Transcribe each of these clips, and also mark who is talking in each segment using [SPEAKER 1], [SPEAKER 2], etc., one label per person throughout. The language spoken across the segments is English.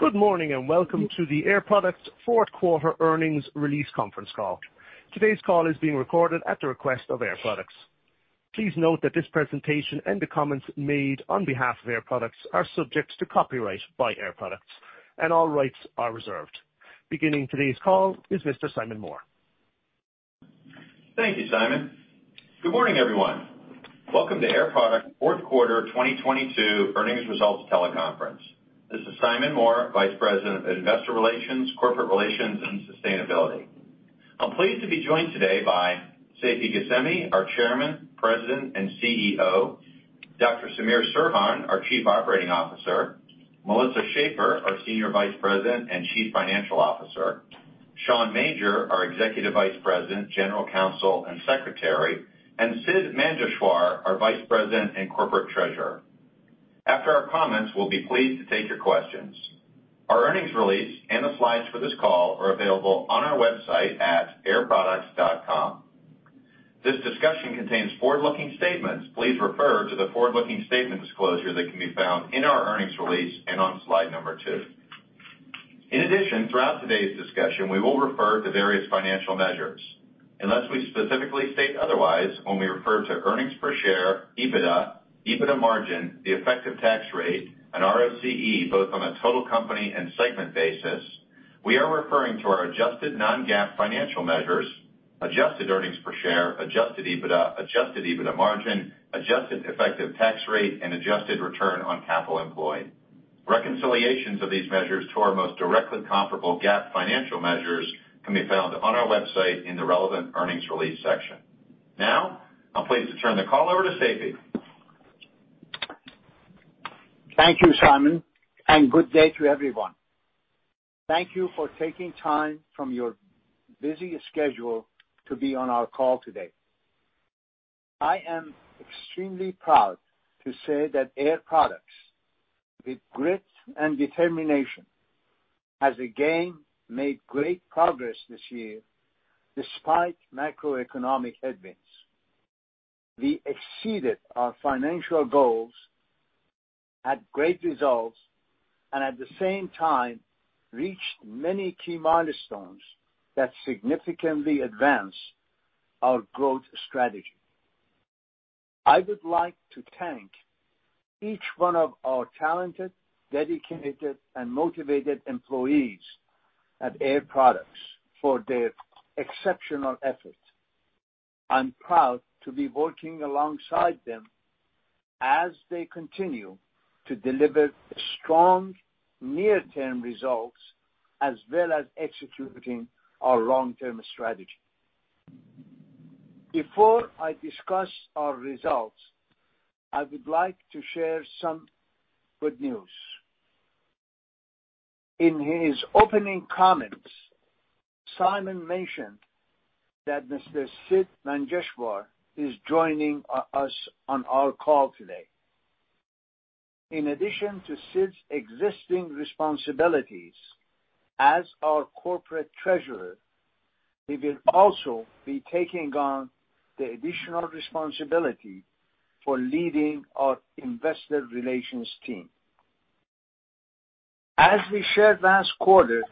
[SPEAKER 1] Good morning, and welcome to the Air Products Q4 earnings release conference call. Today's call is being recorded at the request of Air Products. Please note that this presentation and the comments made on behalf of Air Products are subject to copyright by Air Products and all rights are reserved. Beginning today's call is Mr. Simon Moore.
[SPEAKER 2] Thank you, Simon. Good morning, everyone. Welcome to Air Products' Q4 2022 earnings results teleconference. This is Simon Moore, Vice President of Investor Relations, Corporate Relations, and Sustainability. I'm pleased to be joined today by Seifi Ghasemi, our Chairman, President, and CEO, Dr. Samir Serhan, our Chief Operating Officer, Melissa Schaeffer, our Senior Vice President and Chief Financial Officer, Sean Major, our Executive Vice President, General Counsel, and Secretary, and Sidd Manjeshwar, our Vice President and Corporate Treasurer. After our comments, we'll be pleased to take your questions. Our earnings release and the slides for this call are available on our website at airproducts.com. This discussion contains forward-looking statements. Please refer to the forward-looking statement disclosure that can be found in our earnings release and on slide number two. In addition, throughout today's discussion, we will refer to various financial measures. Unless we specifically state otherwise, when we refer to earnings per share, EBITDA margin, the effective tax rate, and ROCE, both on a total company and segment basis, we are referring to our Adjusted non-GAAP financial measures, adjusted earnings per share, Adjusted EBITDA, Adjusted EBITDA margin, Adjusted effective tax rate, and Adjusted return on capital employed. Reconciliations of these measures to our most directly comparable GAAP financial measures can be found on our website in the relevant earnings release section. Now, I'm pleased to turn the call over to Seifi.
[SPEAKER 3] Thank you, Simon, and good day to everyone. Thank you for taking time from your busy schedule to be on our call today. I am extremely proud to say that Air Products, with grit and determination, has again made great progress this year despite macroeconomic headwinds. We exceeded our financial goals, had great results, and at the same time reached many key milestones that significantly advance our growth strategy. I would like to thank each one of our talented, dedicated, and motivated employees at Air Products for their exceptional effort. I'm proud to be working alongside them as they continue to deliver strong near-term results as well as executing our long-term strategy. Before I discuss our results, I would like to share some good news. In his opening comments, Simon mentioned that Mr. Sidd Manjeshwar is joining us on our call today. In addition to Sidd's existing responsibilities as our corporate treasurer, he will also be taking on the additional responsibility for leading our Investor Relations team. As we shared last quarter,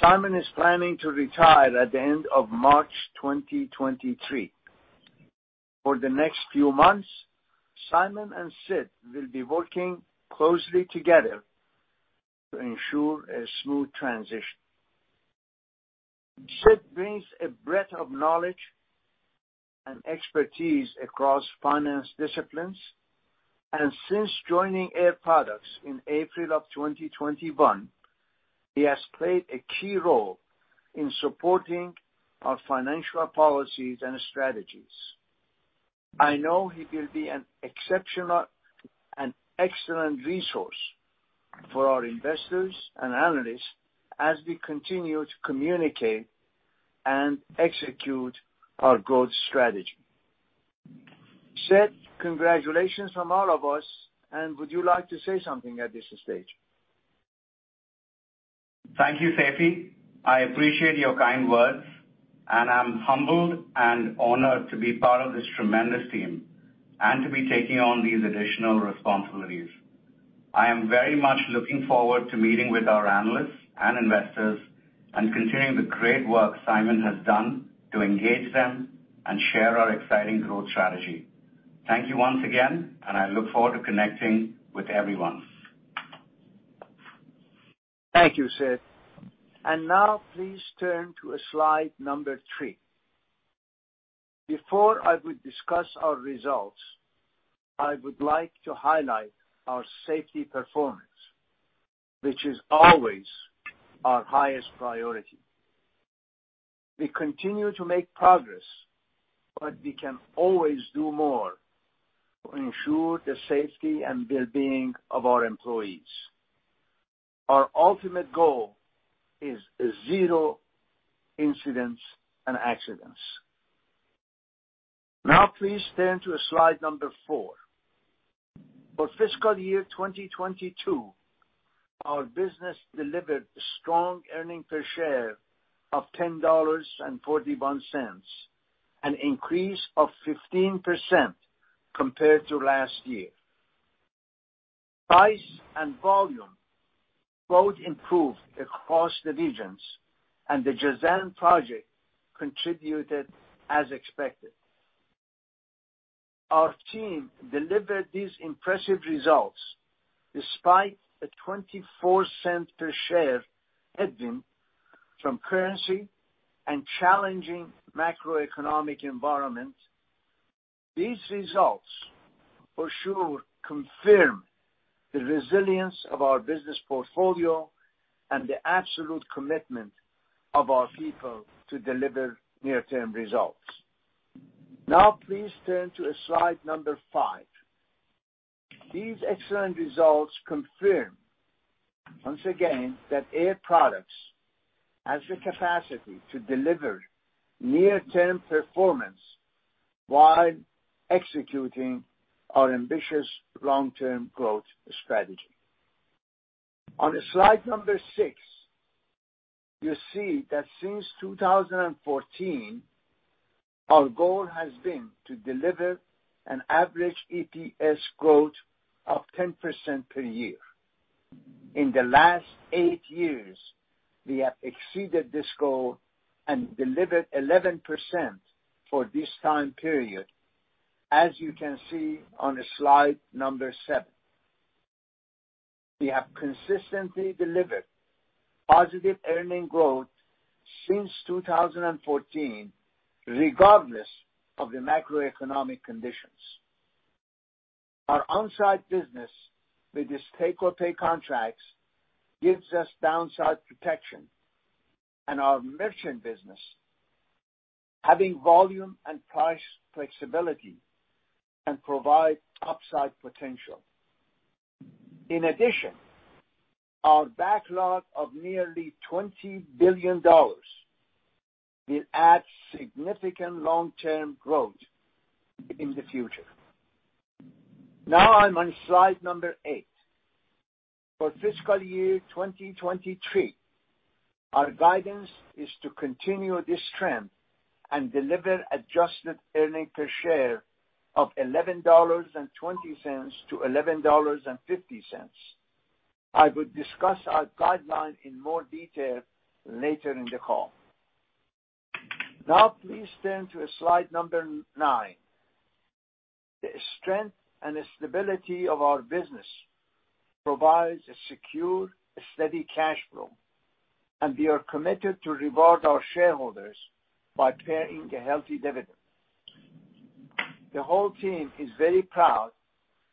[SPEAKER 3] Simon is planning to retire at the end of March 2023. For the next few months, Simon and Sidd will be working closely together to ensure a smooth transition. Sidd brings a breadth of knowledge and expertise across finance disciplines, and since joining Air Products in April 2021, he has played a key role in supporting our financial policies and strategies. I know he will be an exceptional and excellent resource for our investors and analysts as we continue to communicate and execute our growth strategy. Sidd, congratulations from all of us, and would you like to say something at this stage?
[SPEAKER 4] Thank you, Seifi. I appreciate your kind words, and I'm humbled and honored to be part of this tremendous team and to be taking on these additional responsibilities. I am very much looking forward to meeting with our analysts and investors and continuing the great work Simon has done to engage them and share our exciting growth strategy. Thank you once again, and I look forward to connecting with everyone.
[SPEAKER 3] Thank you, Sidd. Now please turn to slide three. Before I will discuss our results, I would like to highlight our safety performance, which is always our highest priority. We continue to make progress, but we can always do more to ensure the safety and well-being of our employees. Our ultimate goal is zero incidents and accidents. Now please turn to slide four. For fiscal year 2022, our business delivered a strong earnings per share of $10.41. An increase of 15% compared to last year. Price and volume both improved across the regions, and the Jazan project contributed as expected. Our team delivered these impressive results despite a $0.24 per share headwind from currency and challenging macroeconomic environment. These results for sure confirm the resilience of our business portfolio and the absolute commitment of our people to deliver near-term results. Now please turn to slide five. These excellent results confirm once again that Air Products has the capacity to deliver near-term performance while executing our ambitious long-term growth strategy. On slide six, you see that since 2014, our goal has been to deliver an average EPS growth of 10% per year. In the last eight years, we have exceeded this goal and delivered 11% for this time period, as you can see on slide seven. We have consistently delivered positive earning growth since 2014, regardless of the macroeconomic conditions. Our on-site business with its take-or-pay contracts gives us downside protection, and our merchant business, having volume and price flexibility, can provide upside potential. In addition, our backlog of nearly $20 billion will add significant long-term growth in the future. Now I'm on slide eight. For fiscal year 2023, our guidance is to continue this trend and deliver Adjusted earnings per share of $11.20-$11.50. I will discuss our guidance in more detail later in the call. Now please turn to slide number nine. The strength and the stability of our business provides a secure, steady cash flow, and we are committed to reward our shareholders by paying a healthy dividend. The whole team is very proud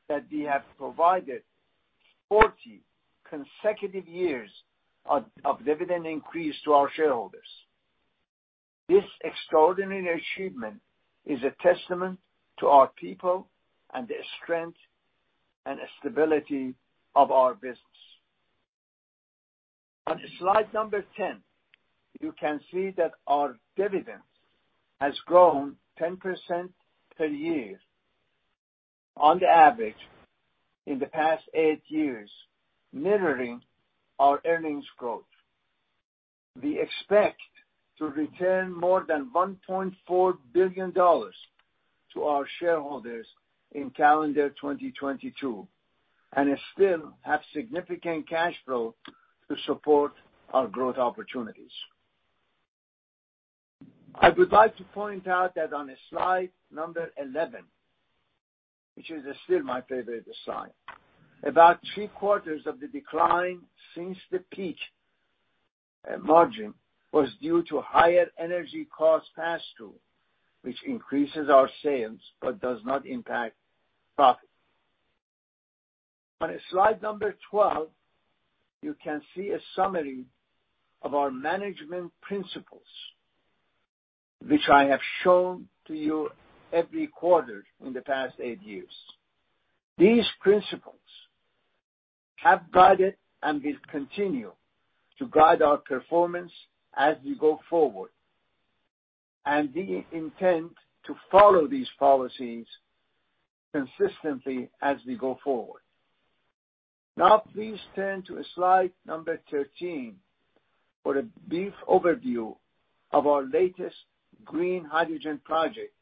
[SPEAKER 3] that we have provided 40 consecutive years of dividend increase to our shareholders. This extraordinary achievement is a testament to our people and the strength and stability of our business. On slide number 10, you can see that our dividend has grown 10% per year on the average in the past eight years, mirroring our earnings growth. We expect to return more than $1.4 billion to our shareholders in calendar 2022, and still have significant cash flow to support our growth opportunities. I would like to point out that on slide number 11, which is still my favorite slide, about three-quarters of the decline since the peak, margin was due to higher energy costs passed through, which increases our sales but does not impact profit. On slide number 12, you can see a summary of our management principles, which I have shown to you every quarter in the past eight years. These principles have guided and will continue to guide our performance as we go forward. We intend to follow these policies consistently as we go forward. Now please turn to slide number 13 for a brief overview of our latest green hydrogen project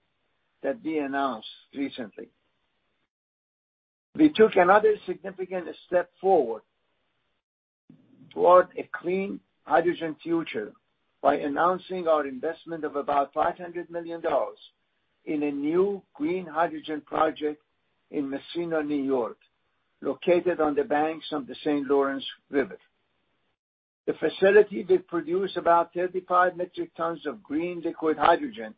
[SPEAKER 3] that we announced recently. We took another significant step forward toward a clean hydrogen future by announcing our investment of about $500 million in a new green hydrogen project in Massena, New York, located on the banks of the St. Lawrence River. The facility will produce about 35 metric tons of green liquid hydrogen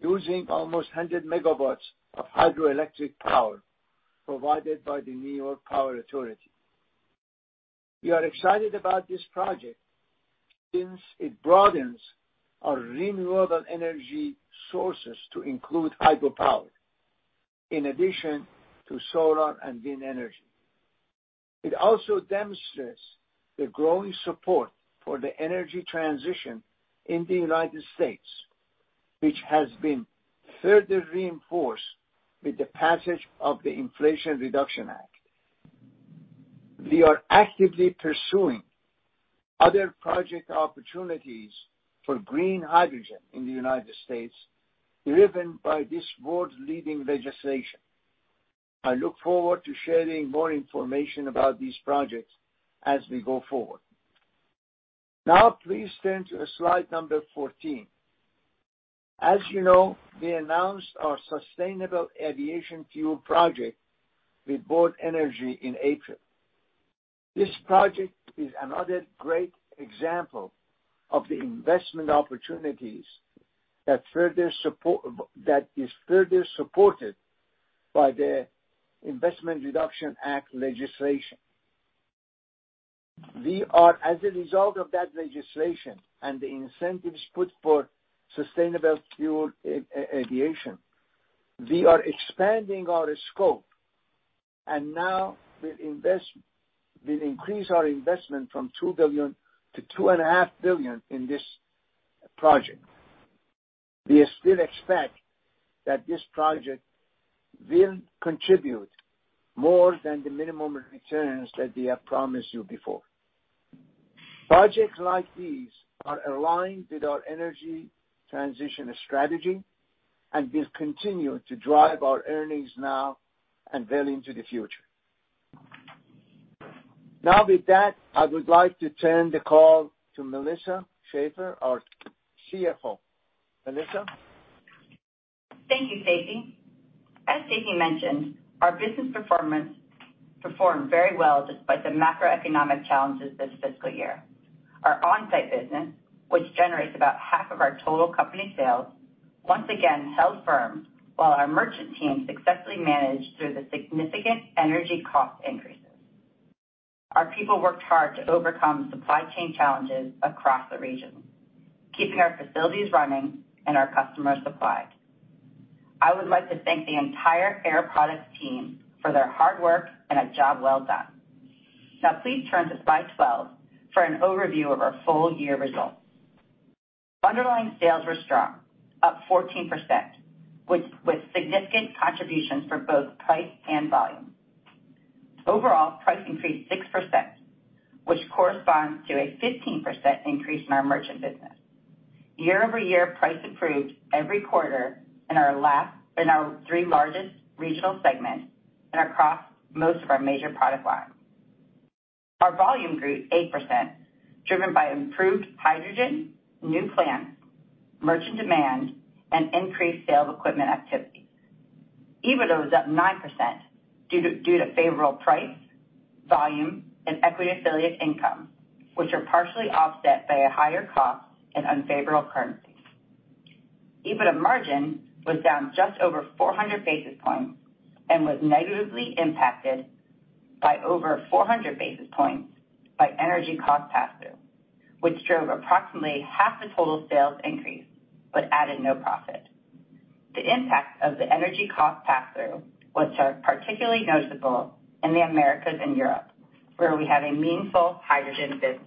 [SPEAKER 3] using almost 100 megawatts of hydroelectric power provided by the New York Power Authority. We are excited about this project since it broadens our renewable energy sources to include hydropower in addition to solar and wind energy. It also demonstrates the growing support for the energy transition in the United States, which has been further reinforced with the passage of the Inflation Reduction Act. We are actively pursuing other project opportunities for green hydrogen in the United States, driven by this world-leading legislation. I look forward to sharing more information about these projects as we go forward. Now please turn to slide number 14. As you know, we announced our sustainable aviation fuel project with World Energy in April. This project is another great example of the investment opportunities that is further supported by the Inflation Reduction Act legislation. We are, as a result of that legislation and the incentives put forth for sustainable fuel aviation, expanding our scope and now we increase our investment from $2 billion to $2.5 billion in this project. We still expect that this project will contribute more than the minimum returns that we have promised you before. Projects like these are aligned with our energy transition strategy and will continue to drive our earnings now and well into the future. Now, with that, I would like to turn the call to Melissa Schaeffer, our CFO. Melissa.
[SPEAKER 5] Thank you, Seifi. As Seifi mentioned, our business performance performed very well despite the macroeconomic challenges this fiscal year. Our on-site business, which generates about half of our total company sales, once again held firm while our merchant team successfully managed through the significant energy cost increases. Our people worked hard to overcome supply chain challenges across the region, keeping our facilities running and our customers supplied. I would like to thank the entire Air Products team for their hard work and a job well done. Now, please turn to slide 12 for an overview of our full year results. Underlying sales were strong, up 14%, with significant contributions for both price and volume. Overall, price increased 6%, which corresponds to a 15% increase in our merchant business. Year-over-year price improved every quarter in our three largest regional segments and across most of our major product lines. Our volume grew 8%, driven by improved hydrogen, new plants, merchant demand, and increased sale of equipment activity. EBITDA was up 9% due to favorable price, volume, and equity affiliate income, which are partially offset by a higher cost and unfavorable currency. EBITDA margin was down just over 400 basis points and was negatively impacted by over 400 basis points by energy cost pass-through, which drove approximately half the total sales increase but added no profit. The impact of the energy cost pass-through was particularly noticeable in the Americas and Europe, where we have a meaningful hydrogen business.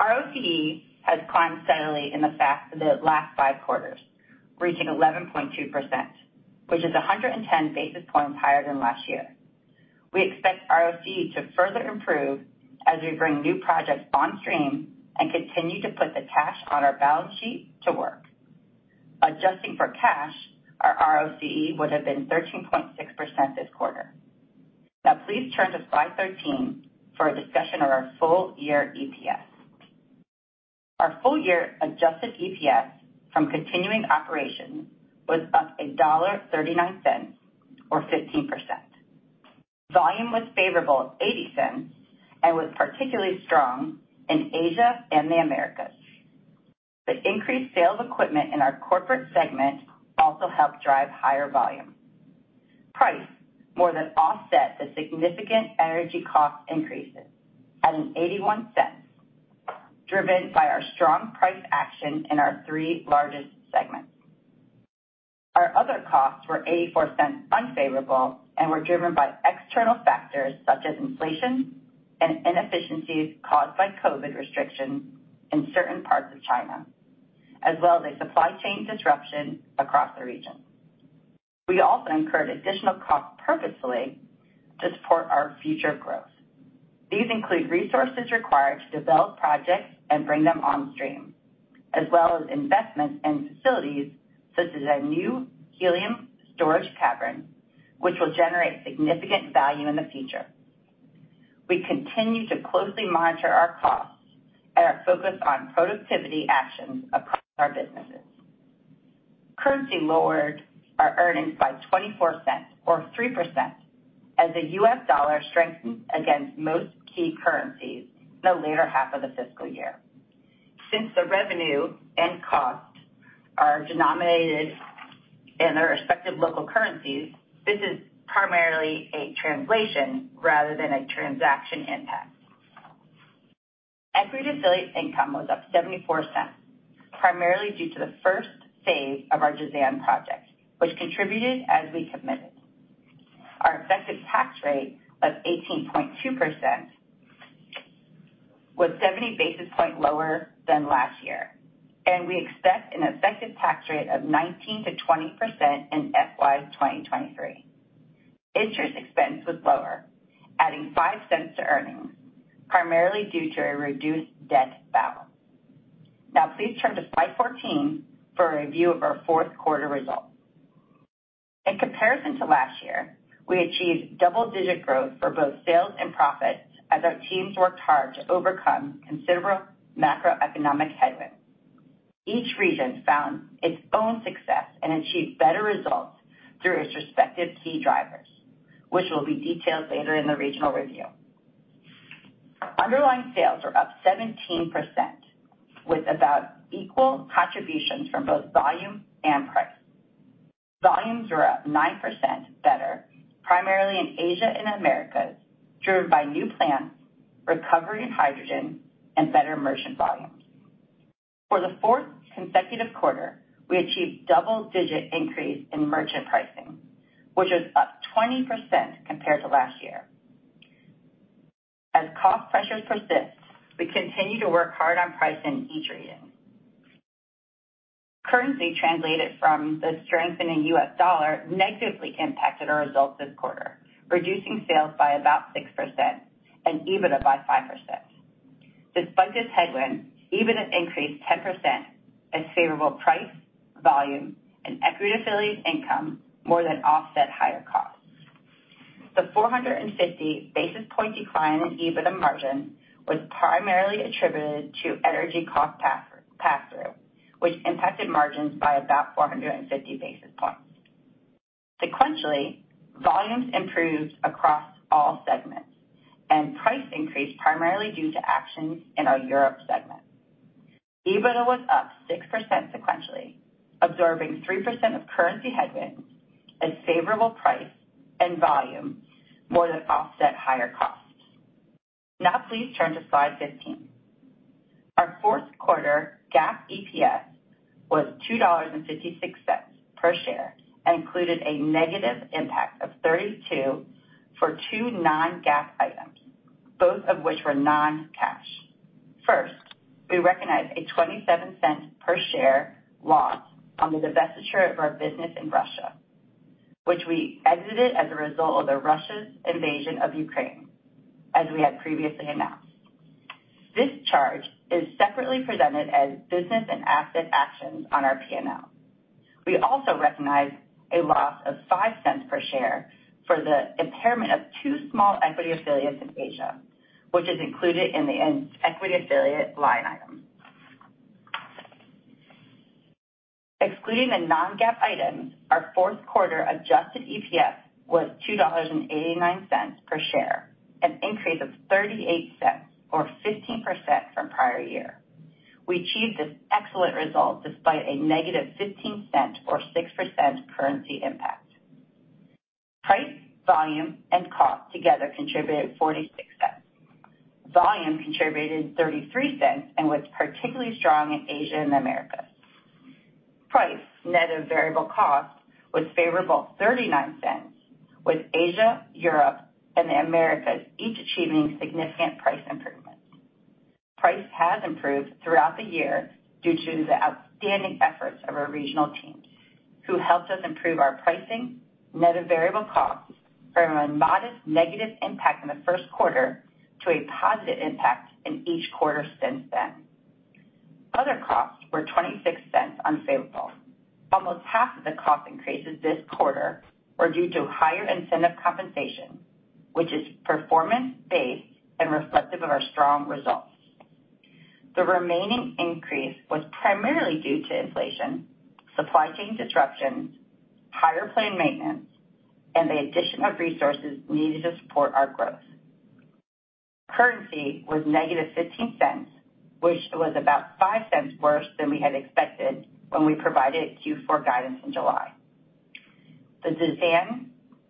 [SPEAKER 5] ROCE has climbed steadily in the last five quarters, reaching 11.2%, which is 110 basis points higher than last year. We expect ROCE to further improve as we bring new projects on stream and continue to put the cash on our balance sheet to work. Adjusting for cash, our ROCE would have been 13.6% this quarter. Now please turn to slide 13 for a discussion of our full year EPS. Our full year adjusted EPS from continuing operations was up $1.39 or 15%. Volume was favorable at $0.80 and was particularly strong in Asia and the Americas. The increased sale of equipment in our corporate segment also helped drive higher volume. Price more than offset the significant energy cost increases at $0.81, driven by our strong price action in our three largest segments. Our other costs were $0.84 unfavorable and were driven by external factors such as inflation and inefficiencies caused by COVID restrictions in certain parts of China, as well as supply chain disruption across the region. We also incurred additional costs purposefully to support our future growth. These include resources required to develop projects and bring them on stream, as well as investments in facilities such as our new helium storage cavern, which will generate significant value in the future. We continue to closely monitor our costs and are focused on productivity actions across our businesses. Currency lowered our earnings by $0.24 or 3% as the U.S. dollar strengthened against most key currencies in the latter half of the fiscal year. Since the revenue and cost are denominated in their respective local currencies, this is primarily a translation rather than a transaction impact. Equity affiliate income was up $0.74, primarily due to the phase I of our Jazan project, which contributed as we committed. Our effective tax rate of 18.2% was 70 basis points lower than last year, and we expect an effective tax rate of 19%-20% in FY 2023. Interest expense was lower, adding $0.05 to earnings, primarily due to a reduced debt balance. Now please turn to slide 14 for a review of our Q4 results. In comparison to last year, we achieved double-digit growth for both sales and profits as our teams worked hard to overcome considerable macroeconomic headwinds. Each region found its own success and achieved better results through its respective key drivers, which will be detailed later in the regional review. Underlying sales are up 17%, with about equal contributions from both volume and price. Volumes are up 9% better, primarily in Asia and Americas, driven by new plants, recovery in hydrogen and better merchant volumes. For the fourth consecutive quarter, we achieved double-digit increase in merchant pricing, which is up 20% compared to last year. As cost pressures persist, we continue to work hard on pricing in each region. Currency translated from the strengthening U.S. dollar negatively impacted our results this quarter, reducing sales by about 6% and EBITDA by 5%. Despite this headwind, EBITDA increased 10% as favorable price, volume, and equity affiliate income more than offset higher costs. The 450 basis point decline in EBITDA margin was primarily attributed to energy cost pass-through, which impacted margins by about 450 basis points. Sequentially, volumes improved across all segments, and price increased primarily due to actions in our Europe segment. EBITDA was up 6% sequentially, absorbing 3% of currency headwinds as favorable price and volume more than offset higher costs. Now please turn to slide 15. Our Q4 GAAP EPS was $2.56 per share, and included a negative impact of 32 for two non-GAAP items, both of which were non-cash. First, we recognized a $0.27 Per share loss on the divestiture of our business in Russia, which we exited as a result of Russia's invasion of Ukraine, as we had previously announced. This charge is separately presented as business and asset actions on our P&L. We also recognized a loss of $0.05 per share for the impairment of two small equity affiliates in Asia, which is included in the equity affiliate line item. Excluding the non-GAAP items, our Q4 adjusted EPS was $2.89 per share, an increase of $0.38 or 15% from prior year. We achieved this excellent result despite a negative $0.15 or 6% currency impact. Price, volume, and cost together contributed $0.46. Volume contributed $0.33 and was particularly strong in Asia and the Americas. Price net of variable costs was favorable $0.39, with Asia, Europe and the Americas each achieving significant price improvements. Price has improved throughout the year due to the outstanding efforts of our regional teams, who helped us improve our pricing net of variable costs from a modest negative impact in the Q1 to a positive impact in each quarter since then. Other costs were $0.26 unfavorable. Almost half of the cost increases this quarter were due to higher incentive compensation, which is performance-based and reflective of our strong results. The remaining increase was primarily due to inflation, supply chain disruptions, higher plant maintenance, and the addition of resources needed to support our growth. Currency was -$0.15, which was about $0.05 worse than we had expected when we provided Q4 guidance in July. The Jazan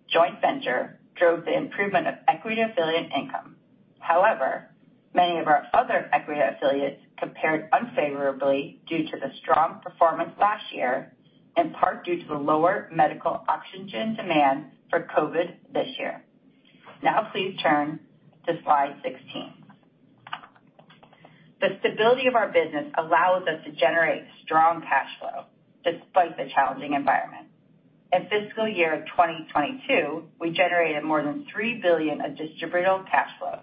[SPEAKER 5] joint venture drove the improvement of equity affiliate income. However, many of our other equity affiliates compared unfavorably due to the strong performance last year, in part due to the lower medical oxygen demand for COVID this year. Now please turn to slide 16. The stability of our business allows us to generate strong cash flow despite the challenging environment. In fiscal year 2022, we generated more than $3 billion of distributable cash flow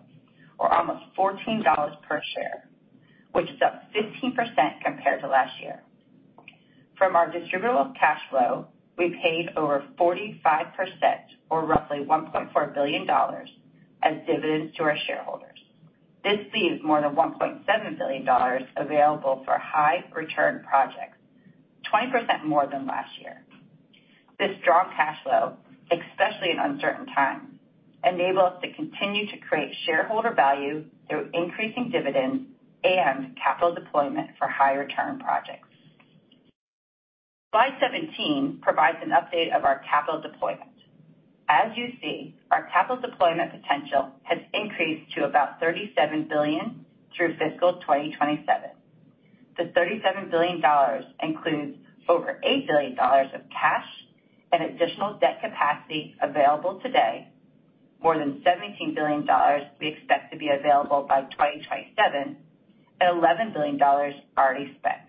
[SPEAKER 5] or almost $14 per share, which is up 15% compared to last year. From our distributable cash flow, we paid over 45% or roughly $1.4 billion as dividends to our shareholders. This leaves more than $1.7 billion available for high return projects, 20% more than last year. This strong cash flow, especially in uncertain times, enable us to continue to create shareholder value through increasing dividends and capital deployment for high return projects. Slide 17 provides an update of our capital deployment. As you see, our capital deployment potential has increased to about $37 billion through fiscal 2027. The $37 billion includes over $8 billion of cash and additional debt capacity available today, more than $17 billion we expect to be available by 2027, and $11 billion already spent.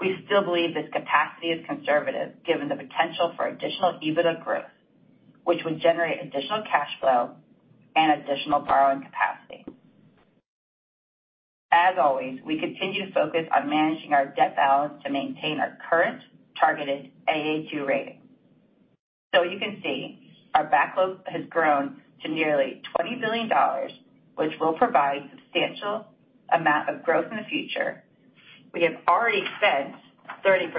[SPEAKER 5] We still believe this capacity is conservative given the potential for additional EBITDA growth, which would generate additional cash flow and additional borrowing capacity. As always, we continue to focus on managing our debt balance to maintain our current targeted Aa2 rating. You can see our backlog has grown to nearly $20 billion, which will provide substantial amount of growth in the future. We have already spent 30%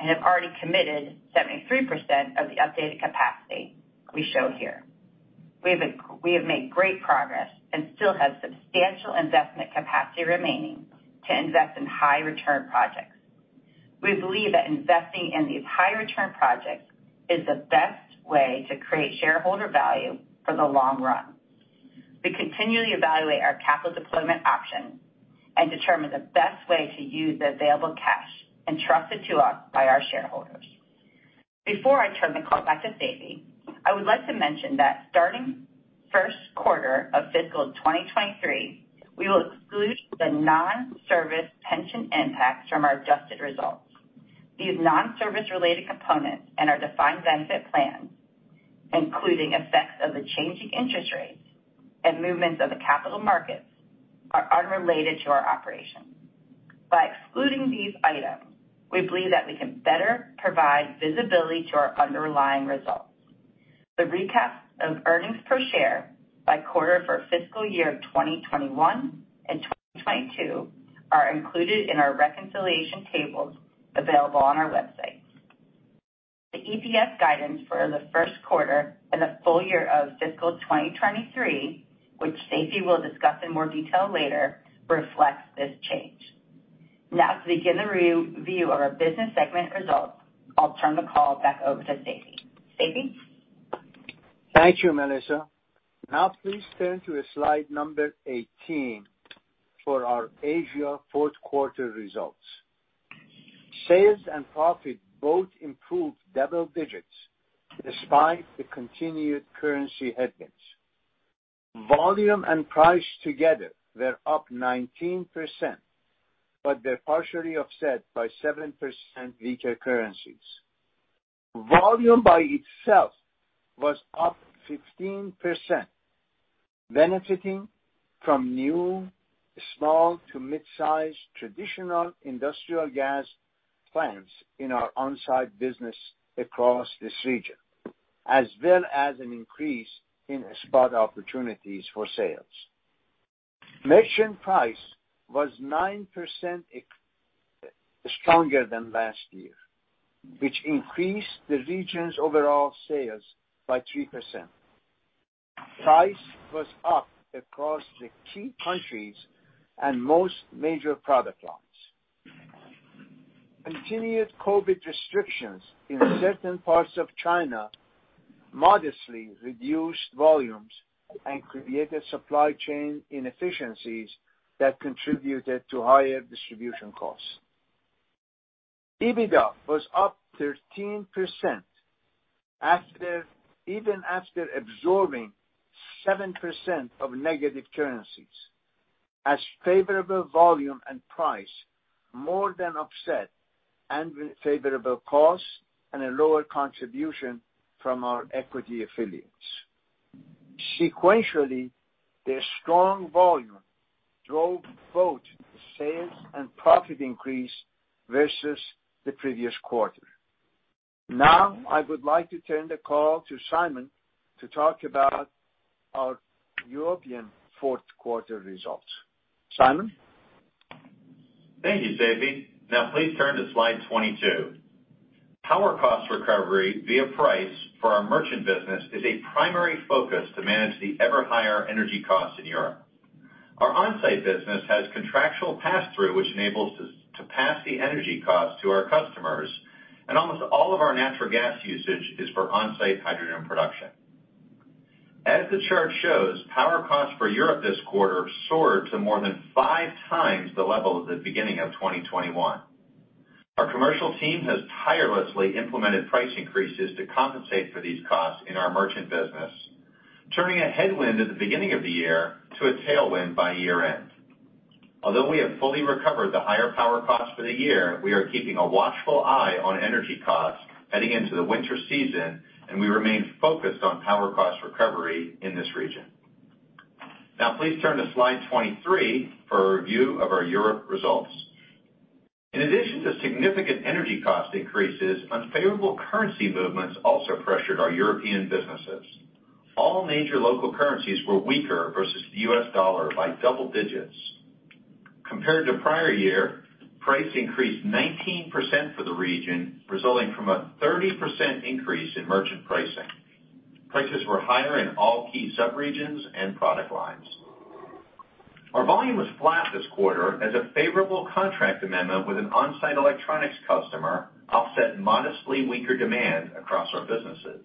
[SPEAKER 5] and have already committed 73% of the updated capacity we show here. We have made great progress and still have substantial investment capacity remaining to invest in high return projects. We believe that investing in these high return projects is the best way to create shareholder value for the long run. We continually evaluate our capital deployment options and determine the best way to use the available cash entrusted to us by our shareholders. Before I turn the call back to Seifi, I would like to mention that starting Q1 of fiscal 2023, we will exclude the non-service pension impacts from our adjusted results. These non-service related components and our defined benefit plan, including effects of the changing interest rates and movements of the capital markets, are unrelated to our operations. By excluding these items, we believe that we can better provide visibility to our underlying results. The recap of earnings per share by quarter for fiscal year 2021 and 2022 are included in our reconciliation tables available on our website. The EPS guidance for the Q1 and the full year of fiscal 2023, which Seifi will discuss in more detail later, reflects this change. Now to begin the review of our business segment results, I'll turn the call back over to Seifi. Seifi?
[SPEAKER 3] Thank you, Melissa. Now please turn to slide number 18 for our Asia Q4 results. Sales and profit both improved double digits despite the continued currency headwinds. Volume and price together were up 19%, but they're partially offset by 7% weaker currencies. Volume by itself was up 15%, benefiting from new small to mid-size traditional industrial gas plants in our on-site business across this region, as well as an increase in spot opportunities for sales. Merchant price was 9% stronger than last year, which increased the region's overall sales by 3%. Price was up across the key countries and most major product lines. Continued COVID restrictions in certain parts of China modestly reduced volumes and created supply chain inefficiencies that contributed to higher distribution costs. EBITDA was up 13% even after absorbing 7% of negative currencies, as favorable volume and price more than offset unfavorable costs and a lower contribution from our equity affiliates. Sequentially, their strong volume drove both sales and profit increase versus the previous quarter. Now I would like to turn the call to Simon to talk about our European Q4 results. Simon?
[SPEAKER 2] Thank you, Seifi. Now please turn to slide 22. Power cost recovery via price for our merchant business is a primary focus to manage the ever higher energy costs in Europe. Our on-site business has contractual pass-through, which enables us to pass the energy costs to our customers, and almost all of our natural gas usage is for on-site hydrogen production. As the chart shows, power costs for Europe this quarter soared to more than five times the level at the beginning of 2021. Our commercial team has tirelessly implemented price increases to compensate for these costs in our merchant business, turning a headwind at the beginning of the year to a tailwind by year-end. Although we have fully recovered the higher power costs for the year, we are keeping a watchful eye on energy costs heading into the winter season, and we remain focused on power cost recovery in this region. Now please turn to slide 23 for a review of our Europe results. In addition to significant energy cost increases, unfavorable currency movements also pressured our European businesses. All major local currencies were weaker versus the U.S. dollar by double digits. Compared to prior year, price increased 19% for the region, resulting from a 30% increase in merchant pricing. Prices were higher in all key subregions and product lines. Our volume was flat this quarter as a favorable contract amendment with an on-site electronics customer offset modestly weaker demand across our businesses.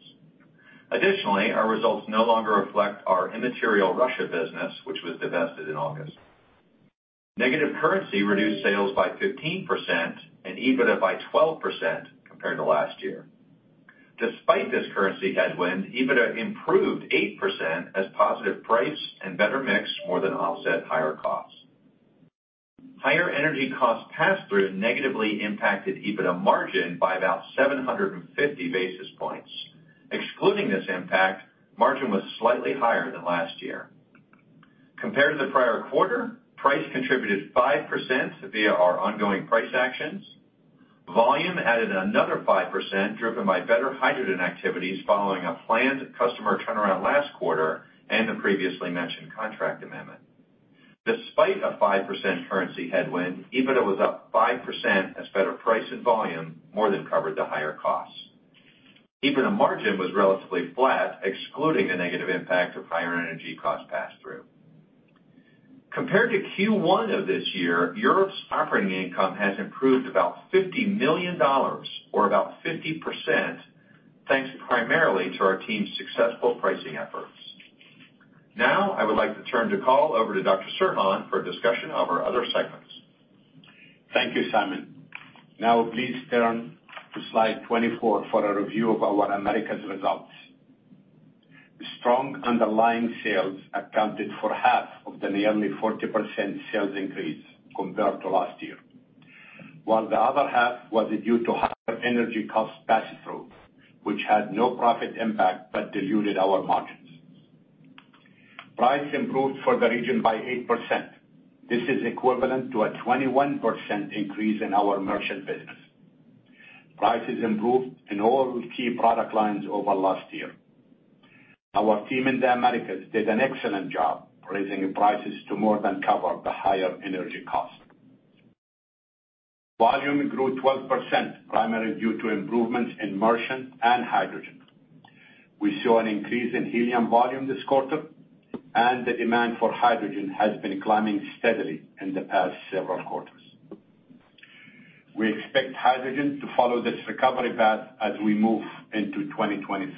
[SPEAKER 2] Additionally, our results no longer reflect our immaterial Russia business, which was divested in August. Negative currency reduced sales by 15% and EBITDA by 12% compared to last year. Despite this currency headwind, EBITDA improved 8% as positive price and better mix more than offset higher costs. Higher energy cost pass-through negatively impacted EBITDA margin by about 750 basis points. Excluding this impact, margin was slightly higher than last year. Compared to the prior quarter, price contributed 5% via our ongoing price actions. Volume added another 5% driven by better hydrogen activities following a planned customer turnaround last quarter and the previously mentioned contract amendment. Despite a 5% currency headwind, EBITDA was up 5% as better price and volume more than covered the higher costs. EBITDA margin was relatively flat, excluding the negative impact of higher energy cost pass-through. Compared to Q1 of this year, Europe's operating income has improved about $50 million or about 50%, thanks primarily to our team's successful pricing efforts. Now I would like to turn the call over to Dr. Serhan for a discussion of our other segments.
[SPEAKER 6] Thank you, Simon. Now please turn to slide 24 for a review of our Americas results. Strong underlying sales accounted for half of the nearly 40% sales increase compared to last year, while the other half was due to higher energy cost passthrough, which had no profit impact but diluted our margins. Price improved for the region by 8%. This is equivalent to a 21% increase in our merchant business. Prices improved in all key product lines over last year. Our team in the Americas did an excellent job raising prices to more than cover the higher energy cost. Volume grew 12%, primarily due to improvements in merchant and hydrogen. We saw an increase in helium volume this quarter, and the demand for hydrogen has been climbing steadily in the past several quarters. We expect hydrogen to follow this recovery path as we move into 2023.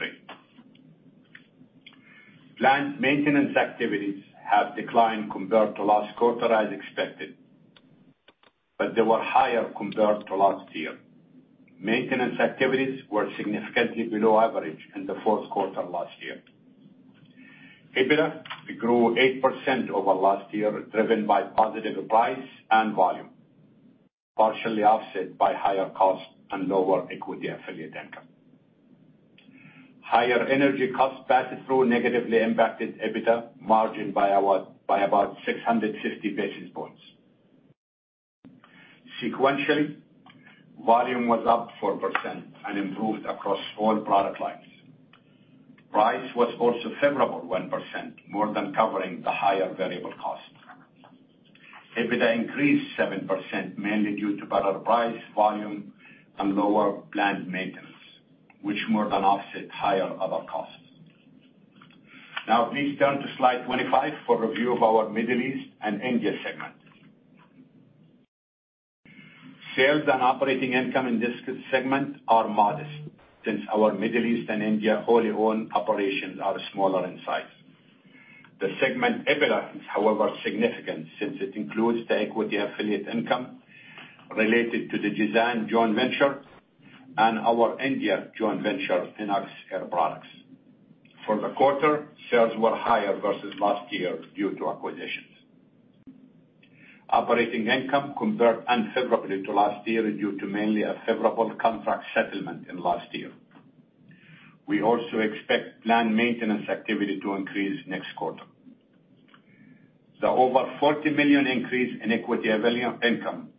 [SPEAKER 6] Planned maintenance activities have declined compared to last quarter as expected, but they were higher compared to last year. Maintenance activities were significantly below average in the Q4 last year. EBITDA grew 8% over last year, driven by positive price and volume, partially offset by higher cost and lower equity affiliate income. Higher energy cost passthrough negatively impacted EBITDA margin by about 650 basis points. Sequentially, volume was up 4% and improved across all product lines. Price was also favorable 1%, more than covering the higher variable cost. EBITDA increased 7%, mainly due to better price, volume, and lower planned maintenance, which more than offset higher other costs. Now please turn to slide 25 for review of our Middle East and India segment. Sales and operating income in this segment are modest since our Middle East and India wholly-owned operations are smaller in size. The segment EBITDA is, however, significant since it includes the equity affiliate income related to the Jazan joint venture and our India joint venture, INOX Air Products. For the quarter, sales were higher versus last year due to acquisitions. Operating income compared unfavorably to last year due to mainly a favorable contract settlement in last year. We also expect planned maintenance activity to increase next quarter. The over $40 million increase in equity affiliate income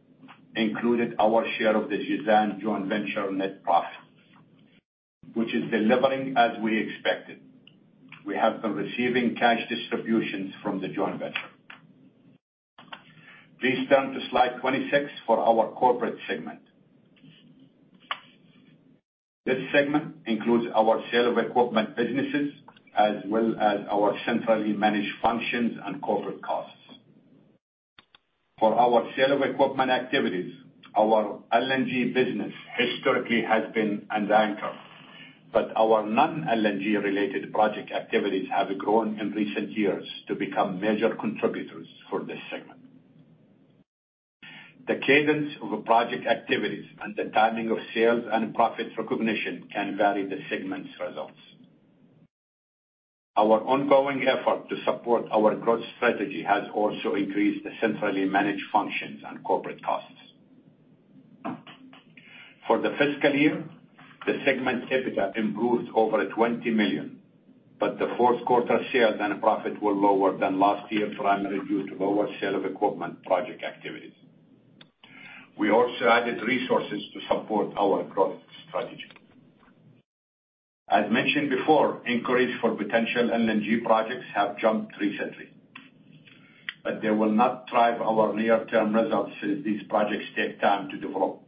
[SPEAKER 6] included our share of the Jazan joint venture net profit, which is delivering as we expected. We have been receiving cash distributions from the joint venture. Please turn to slide 26 for our corporate segment. This segment includes our sale of equipment businesses as well as our centrally managed functions and corporate costs. For our sale of equipment activities, our LNG business historically has been an anchor, but our non-LNG related project activities have grown in recent years to become major contributors for this segment. The cadence of project activities and the timing of sales and profit recognition can vary the segment's results. Our ongoing effort to support our growth strategy has also increased the centrally managed functions and corporate costs. For the fiscal year, the segment's EBITDA improved over $20 million, but the Q4 sales and profit were lower than last year, primarily due to lower sale of equipment project activities. We also added resources to support our growth strategy. As mentioned before, inquiries for potential LNG projects have jumped recently, but they will not drive our near-term results since these projects take time to develop.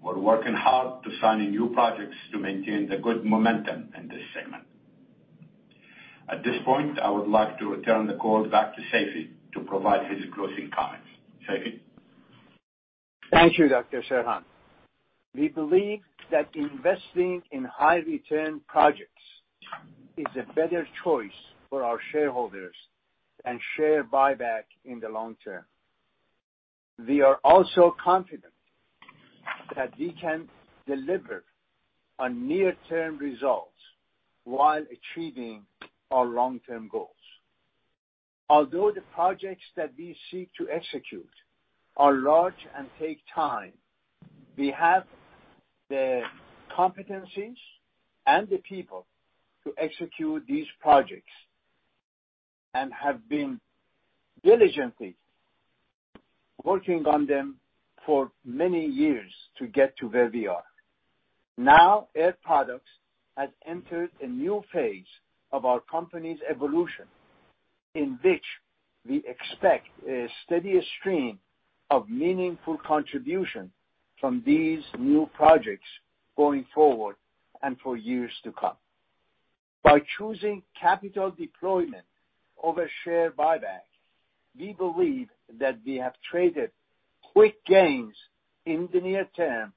[SPEAKER 6] We're working hard to sign new projects to maintain the good momentum in this segment. At this point, I would like to return the call back to Seifi to provide his closing comments. Seifi?
[SPEAKER 3] Thank you, Dr. Serhan. We believe that investing in high return projects is a better choice for our shareholders than share buyback in the long term. We are also confident that we can deliver on near-term results while achieving our long-term goals. Although the projects that we seek to execute are large and take time, we have the competencies and the people to execute these projects, and have been diligently working on them for many years to get to where we are. Now, Air Products has entered a new phase of our company's evolution, in which we expect a steadier stream of meaningful contribution from these new projects going forward and for years to come. By choosing capital deployment over share buyback, we believe that we have traded quick gains in the near term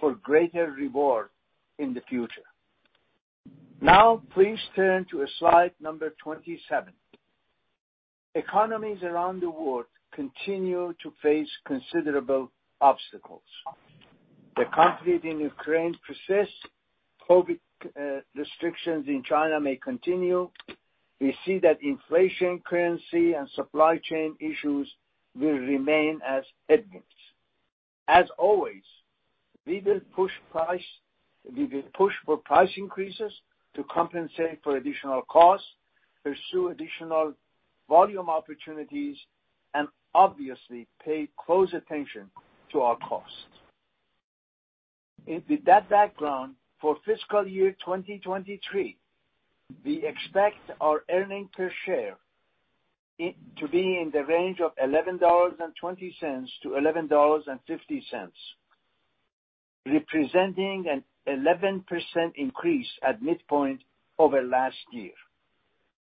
[SPEAKER 3] for greater reward in the future. Now please turn to slide number 27. Economies around the world continue to face considerable obstacles. The conflict in Ukraine persists. COVID restrictions in China may continue. We see that inflation, currency, and supply chain issues will remain as headwinds. As always, we will push for price increases to compensate for additional costs, pursue additional volume opportunities, and obviously pay close attention to our costs. With that background, for fiscal year 2023, we expect our earning per share to be in the range of $11.20-$11.50, representing an 11% increase at midpoint over last year.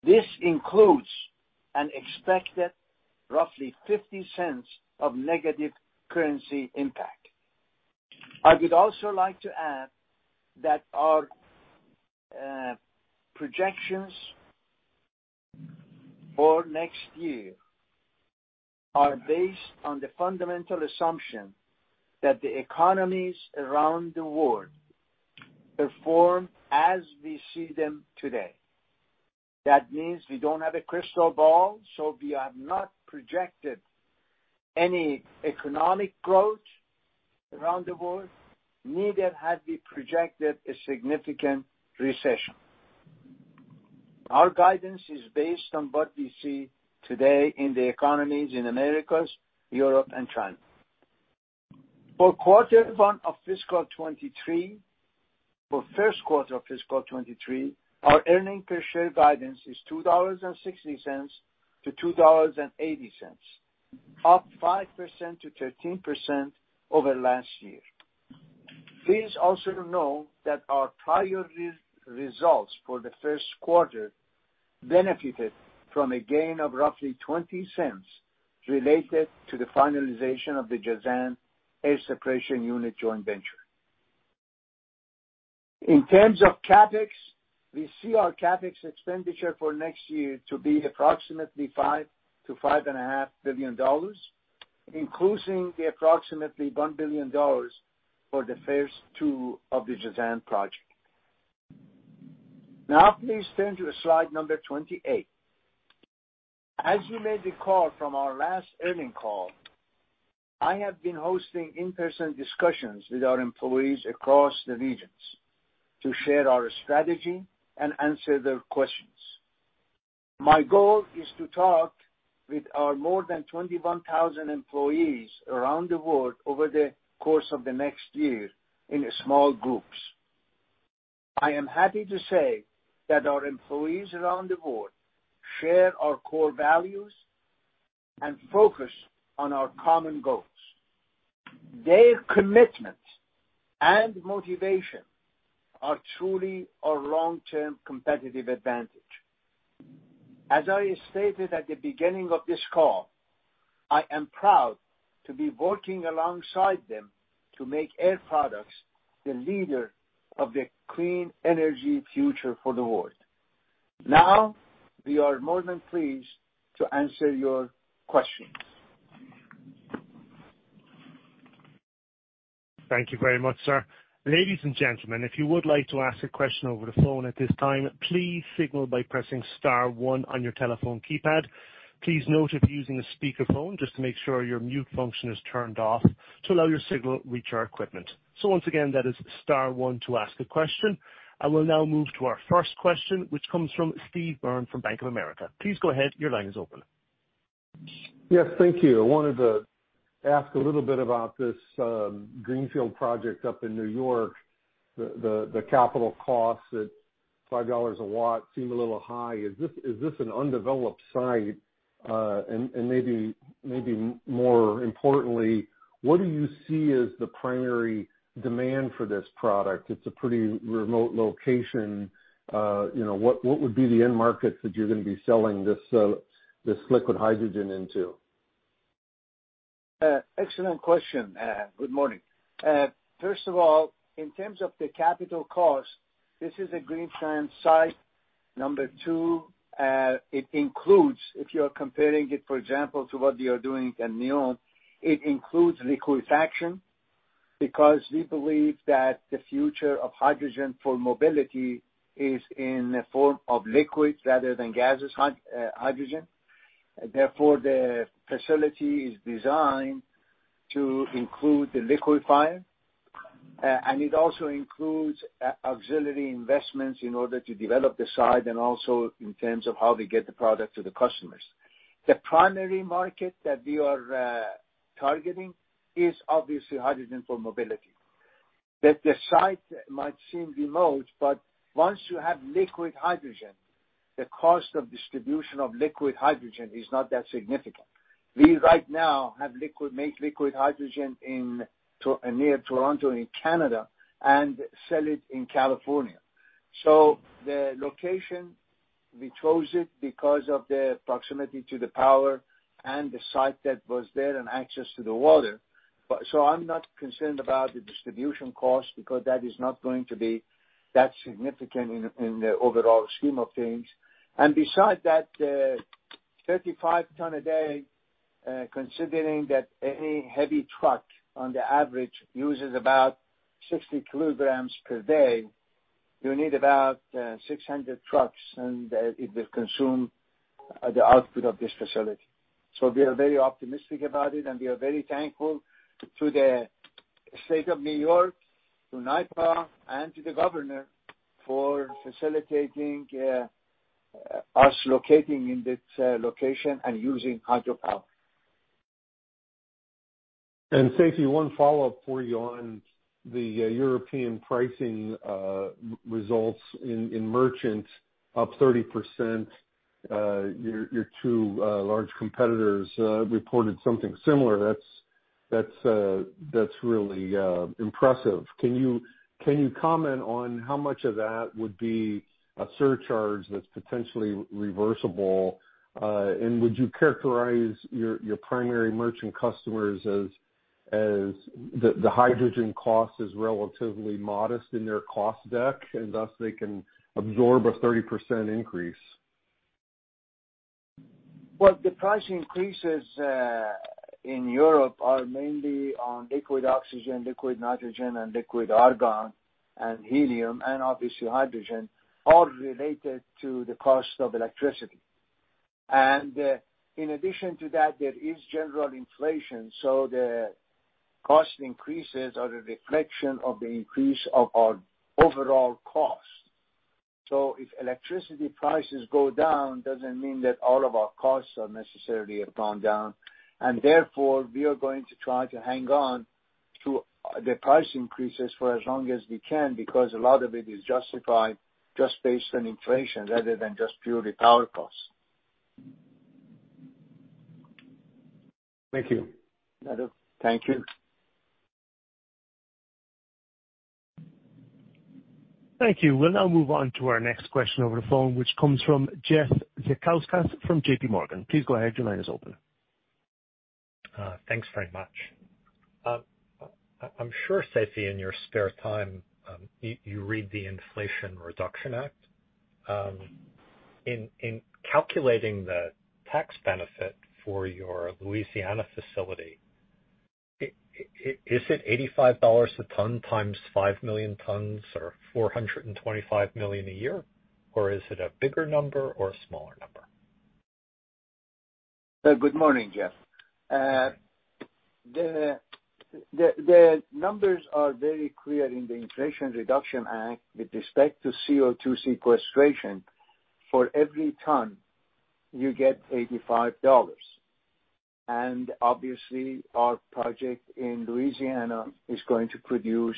[SPEAKER 3] This includes an expected roughly $0.50 of negative currency impact. I would also like to add that our projections for next year are based on the fundamental assumption that the economies around the world perform as we see them today. That means we don't have a crystal ball, so we have not projected any economic growth around the world. Neither have we projected a significant recession. Our guidance is based on what we see today in the economies in Americas, Europe, and China. For Q1 of fiscal 2023, our earnings per share guidance is $2.60-$2.80, up 5%-13% over last year. Please also know that our prior results for the Q1 benefited from a gain of roughly $0.20 related to the finalization of the Jazan air separation unit joint venture. In terms of CapEx, we see our CapEx expenditure for next year to be approximately $5-$5.5 billion, including the approximately $1 billion for the first two of the Jazan project. Now please turn to slide number 28. As you may recall from our last earnings call, I have been hosting in-person discussions with our employees across the regions to share our strategy and answer their questions. My goal is to talk with our more than 21,000 employees around the world over the course of the next year in small groups. I am happy to say that our employees around the world share our core values and focus on our common goals. Their commitment and motivation are truly our long-term competitive advantage. As I stated at the beginning of this call, I am proud to be working alongside them to make Air Products the leader of the clean energy future for the world. Now, we are more than pleased to answer your questions.
[SPEAKER 1] Thank you very much, sir. Ladies and gentlemen, if you would like to ask a question over the phone at this time, please signal by pressing star one on your telephone keypad. Please note if you're using a speakerphone, just to make sure your mute function is turned off to allow your signal to reach our equipment. Once again, that is star one to ask a question. I will now move to our first question, which comes from Steve Byrne from Bank of America. Please go ahead. Your line is open.
[SPEAKER 7] Yes, thank you. I wanted to ask a little bit about this greenfield project up in New York. The capital costs at $5 a watt seem a little high. Is this an undeveloped site? Maybe more importantly, what do you see as the primary demand for this product? It's a pretty remote location. What would be the end markets that you're gonna be selling this liquid hydrogen into?
[SPEAKER 3] Excellent question. Good morning. First of all, in terms of the capital cost, this is a greenfield site. Number two, it includes, if you are comparing it, for example, to what we are doing at NEOM, it includes liquefaction because we believe that the future of hydrogen for mobility is in the form of liquids rather than gaseous hydrogen. Therefore, the facility is designed to include the liquefier. And it also includes auxiliary investments in order to develop the site and also in terms of how we get the product to the customers. The primary market that we are targeting is obviously hydrogen for mobility. The site might seem remote, but once you have liquid hydrogen, the cost of distribution of liquid hydrogen is not that significant. We right now make liquid hydrogen in Tonawanda, New York and sell it in California. The location we chose it because of the proximity to the power and the site that was there and access to the water. I'm not concerned about the distribution cost because that is not going to be that significant in the overall scheme of things. Besides that, 35 tons a day, considering that any heavy truck on the average uses about 60 kilograms per day, you need about 600 trucks and it will consume the output of this facility. We are very optimistic about it, and we are very thankful to the State of New York, to NYPA, and to the governor for facilitating us locating in this location and using hydropower.
[SPEAKER 7] Seifi, one follow-up for you on the European pricing results in merchant up 30%. Your two large competitors reported something similar. That's really impressive. Can you comment on how much of that would be a surcharge that's potentially reversible? Would you characterize your primary merchant customers as the hydrogen cost is relatively modest in their cost deck, and thus they can absorb a 30% increase?
[SPEAKER 3] Well, the price increases in Europe are mainly on liquid oxygen, liquid nitrogen, and liquid argon and helium, and obviously hydrogen, all related to the cost of electricity. In addition to that, there is general inflation, so the cost increases are a reflection of the increase of our overall cost. If electricity prices go down, doesn't mean that all of our costs are necessarily have gone down. Therefore, we are going to try to hang on to the price increases for as long as we can because a lot of it is justified just based on inflation rather than just purely power costs.
[SPEAKER 7] Thank you.
[SPEAKER 3] Thank you.
[SPEAKER 1] Thank you. We'll now move on to our next question over the phone, which comes from Jeffrey Zekauskas from JPMorgan. Please go ahead, your line is open.
[SPEAKER 8] Thanks very much. I'm sure, Seifi, in your spare time, you read the Inflation Reduction Act. In calculating the tax benefit for your Louisiana facility, is it $85 a ton times five million tons or $425 million a year, or is it a bigger number or a smaller number?
[SPEAKER 3] Good morning, Jeff. The numbers are very clear in the Inflation Reduction Act with respect to CO2 sequestration. For every ton, you get $85. Obviously, our project in Louisiana is going to produce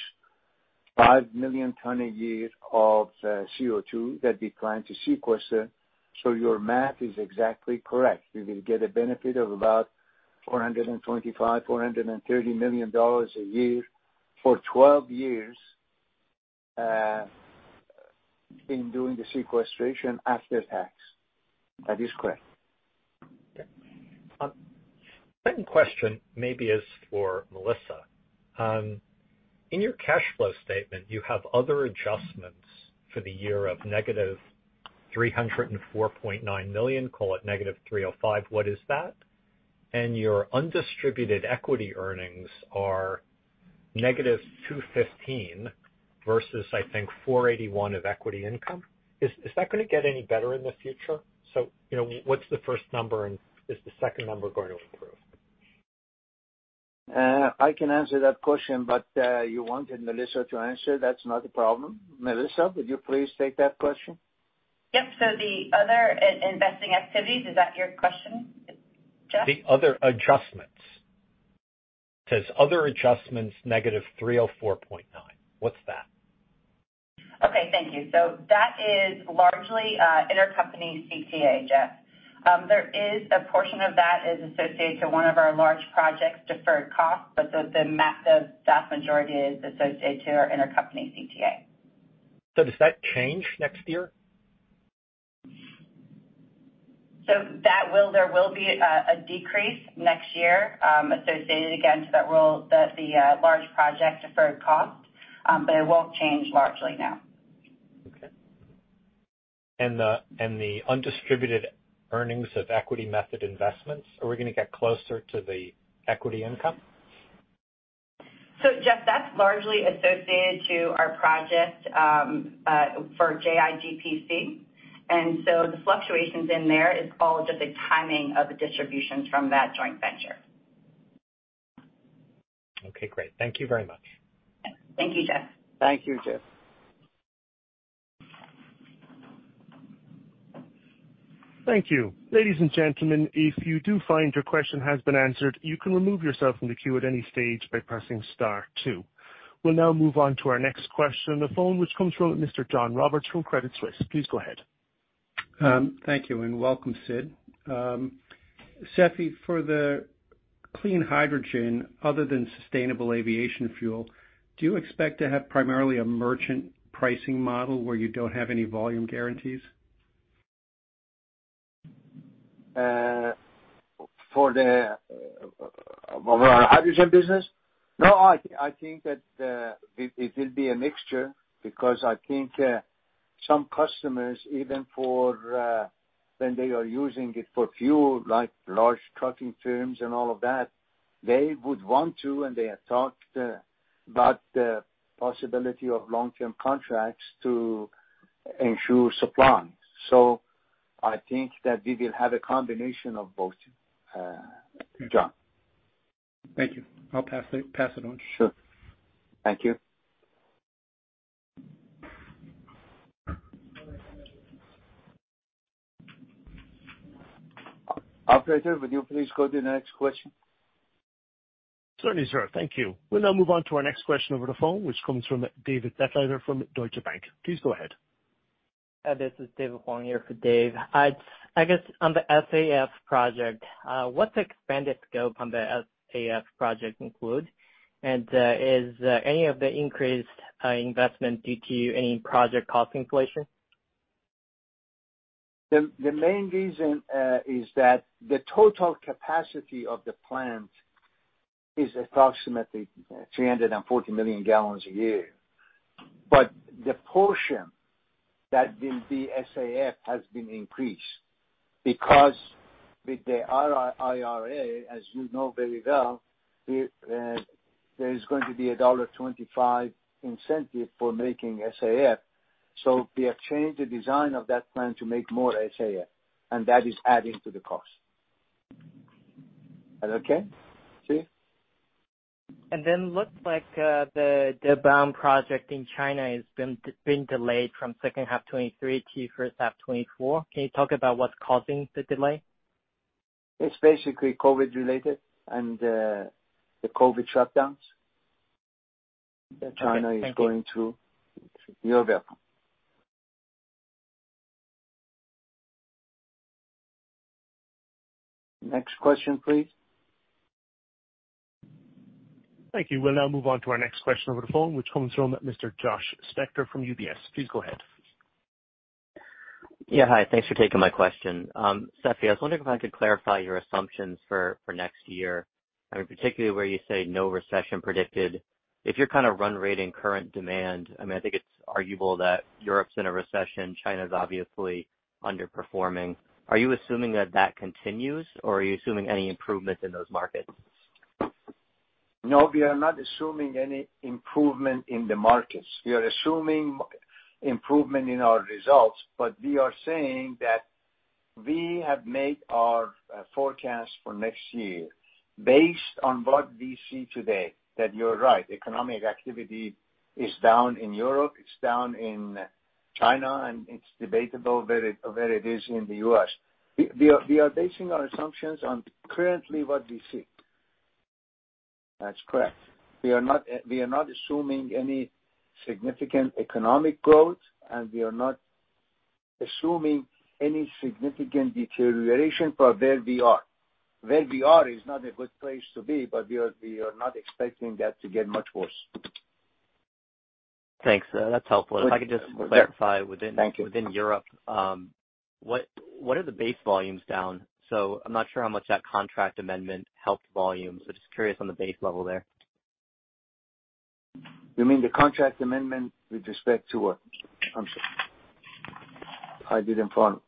[SPEAKER 3] five million tons a year of CO2 that we plan to sequester. Your math is exactly correct. You will get a benefit of about $425-$430 million a year for 12 years in doing the sequestration after tax. That is correct.
[SPEAKER 8] Okay. Second question maybe is for Melissa. In your cash flow statement, you have other adjustments for the year of -$304.9 million, call it -$305 million. What is that? And your undistributed equity earnings are -$215 million versus I think $481 million of equity income. Is that gonna get any better in the future? You know, what's the first number, and is the second number going to improve?
[SPEAKER 3] I can answer that question, but you wanted Melissa to answer. That's not a problem. Melissa, would you please take that question?
[SPEAKER 5] Yep. The other investing activities, is that your question, Jeff?
[SPEAKER 8] The other adjustments. Says other adjustments, -$304.9. What's that?
[SPEAKER 5] Okay, thank you. That is largely intercompany CTA, Jeff. There is a portion of that is associated to one of our large projects, deferred costs, but the vast majority is associated to our intercompany CTA.
[SPEAKER 8] Does that change next year?
[SPEAKER 5] There will be a decrease next year, associated again to that role, the large project deferred cost, but it won't change largely now.
[SPEAKER 8] Okay. The undistributed earnings of equity method investments, are we gonna get closer to the equity income?
[SPEAKER 5] Jeff, that's largely associated to our project for JIGPC. The fluctuations in there is all just the timing of the distributions from that joint venture.
[SPEAKER 8] Okay, great. Thank you very much.
[SPEAKER 5] Thank you, Jeff.
[SPEAKER 3] Thank you, Jeff.
[SPEAKER 1] Thank you. Ladies and gentlemen, if you do find your question has been answered, you can remove yourself from the queue at any stage by pressing star two. We'll now move on to our next question on the phone, which comes from Mr. John Roberts from Credit Suisse. Please go ahead.
[SPEAKER 9] Thank you, and welcome, Sidd. Seifi, for the clean hydrogen other than sustainable aviation fuel, do you expect to have primarily a merchant pricing model where you don't have any volume guarantees?
[SPEAKER 3] For our hydrogen business? No, I think that it will be a mixture because I think some customers, even for when they are using it for fuel, like large trucking firms and all of that, they would want to and they have talked about the possibility of long-term contracts to ensure supply. I think that we will have a combination of both, John.
[SPEAKER 9] Thank you. I'll pass it on.
[SPEAKER 3] Sure. Thank you. Operator, would you please go to the next question?
[SPEAKER 1] Certainly, sir. Thank you. We'll now move on to our next question over the phone, which comes from David Begleiter from Deutsche Bank. Please go ahead.
[SPEAKER 10] This is David Huang in for Dave. I guess on the SAF project, what's the expanded scope on the SAF project include? Is any of the increased investment due to any project cost inflation?
[SPEAKER 3] The main reason is that the total capacity of the plant is approximately 340 million gallons a year. The portion that will be SAF has been increased because with the IRA, as you know very well, there is going to be a $1.25 incentive for making SAF. We have changed the design of that plant to make more SAF, and that is adding to the cost. Is that okay, Steve?
[SPEAKER 10] Looks like the Debang project in China has been delayed from second half 2023 to first half 2024. Can you talk about what's causing the delay?
[SPEAKER 3] It's basically COVID related and, the COVID shutdowns that China is going through.
[SPEAKER 10] Okay. Thank you.
[SPEAKER 3] You're welcome. Next question, please.
[SPEAKER 1] Thank you. We'll now move on to our next question over the phone, which comes from Mr. Josh Spector from UBS. Please go ahead.
[SPEAKER 11] Yeah. Hi. Thanks for taking my question. Seifi, I was wondering if I could clarify your assumptions for next year, I mean, particularly where you say no recession predicted. If you're kind of run rating current demand, I mean, I think it's arguable that Europe's in a recession. China's obviously underperforming. Are you assuming that that continues, or are you assuming any improvement in those markets?
[SPEAKER 3] No, we are not assuming any improvement in the markets. We are assuming improvement in our results, but we are saying that we have made our forecast for next year based on what we see today, that you're right, economic activity is down in Europe, it's down in China, and it's debatable where it is in the U.S. We are basing our assumptions on currently what we see. That's correct. We are not assuming any significant economic growth, and we are not assuming any significant deterioration from where we are. Where we are is not a good place to be, but we are not expecting that to get much worse.
[SPEAKER 11] Thanks. That's helpful.
[SPEAKER 3] Good.
[SPEAKER 11] If I could just clarify.
[SPEAKER 3] Thank you.
[SPEAKER 11] Within Europe, what are the base volumes down? I'm not sure how much that contract amendment helped volumes. Just curious on the base level there.
[SPEAKER 3] You mean the contract amendment with respect to what? I didn't follow.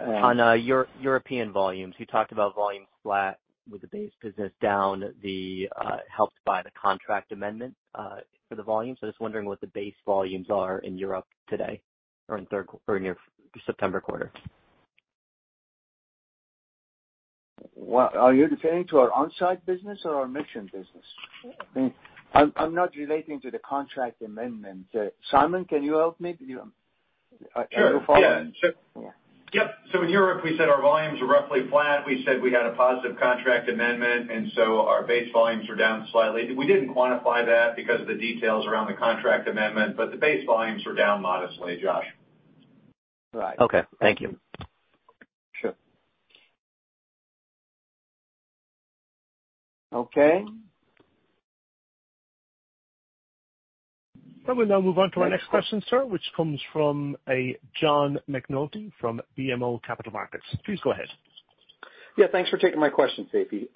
[SPEAKER 11] On European volumes. You talked about volumes flat with the base business down, helped by the contract amendment for the volumes. Just wondering what the base volumes are in Europe today or in third or in your September quarter.
[SPEAKER 3] Well, are you referring to our on-site business or our merchant business? I mean, I'm not relating to the contract amendment. Simon, can you help me?
[SPEAKER 2] Sure.
[SPEAKER 3] You're following.
[SPEAKER 2] Yeah. Sure.
[SPEAKER 3] Yeah.
[SPEAKER 2] Yep. In Europe, we said our volumes were roughly flat. We said we had a positive contract amendment, and so our base volumes were down slightly. We didn't quantify that because the details around the contract amendment, but the base volumes were down modestly, Josh.
[SPEAKER 3] Right.
[SPEAKER 11] Okay. Thank you.
[SPEAKER 3] Sure. Okay.
[SPEAKER 1] We'll now move on to our next question, sir, which comes from John McNulty from BMO Capital Markets. Please go ahead.
[SPEAKER 12] Yeah, thanks for taking my question, Seifi.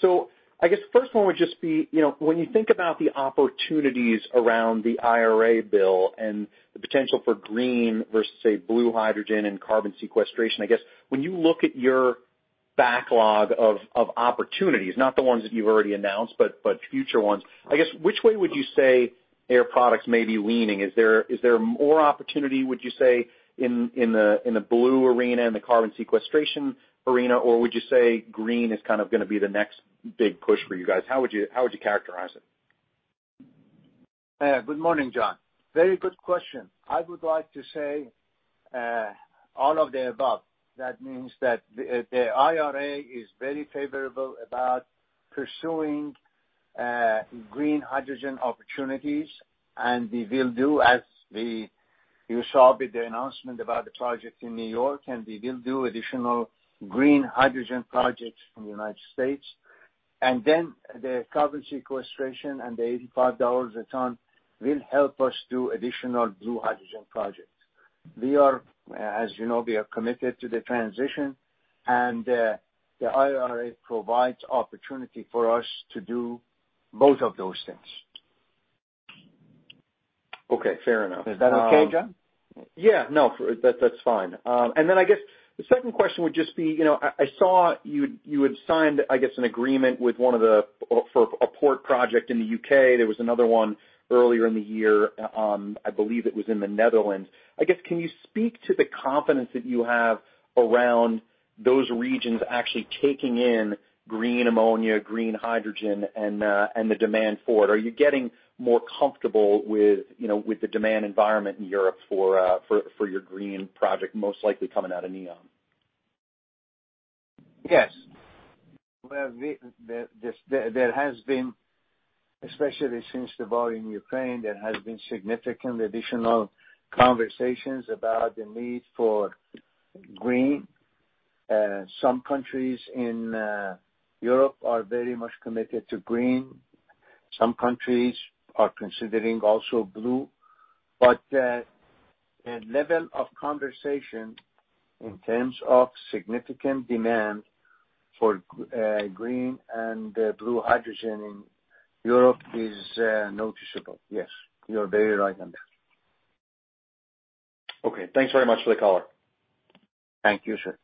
[SPEAKER 12] So I guess first one would just be, you know, when you think about the opportunities around the IRA bill and the potential for green versus, say, blue hydrogen and carbon sequestration, I guess when you look at your backlog of opportunities, not the ones that you've already announced, but future ones. I guess, which way would you say Air Products may be leaning? Is there more opportunity, would you say, in the blue arena, in the carbon sequestration arena, or would you say green is kind of gonna be the next big push for you guys? How would you characterize it?
[SPEAKER 3] Good morning, John. Very good question. I would like to say all of the above. That means that the IRA is very favorable about pursuing green hydrogen opportunities. We will do you saw with the announcement about the project in New York, and we will do additional green hydrogen projects in the United States. Then the carbon sequestration and the $85 a ton will help us do additional blue hydrogen projects. We are, as you know, committed to the transition and the IRA provides opportunity for us to do both of those things.
[SPEAKER 12] Okay, fair enough.
[SPEAKER 3] Is that okay, John?
[SPEAKER 12] That's fine. I guess the second question would just be, you know, I saw you had signed an agreement for a port project in the U.K. There was another one earlier in the year, I believe it was in the Netherlands. I guess, can you speak to the confidence that you have around those regions actually taking in green ammonia, green hydrogen and the demand for it? Are you getting more comfortable with, you know, with the demand environment in Europe for your green project, most likely coming out of NEOM?
[SPEAKER 3] Yes. Well, there has been, especially since the war in Ukraine, significant additional conversations about the need for green. Some countries in Europe are very much committed to green. Some countries are considering also blue. A level of conversation in terms of significant demand for green and blue hydrogen in Europe is noticeable. Yes, you're very right on that.
[SPEAKER 12] Okay. Thanks very much for the color.
[SPEAKER 3] Thank you, sir.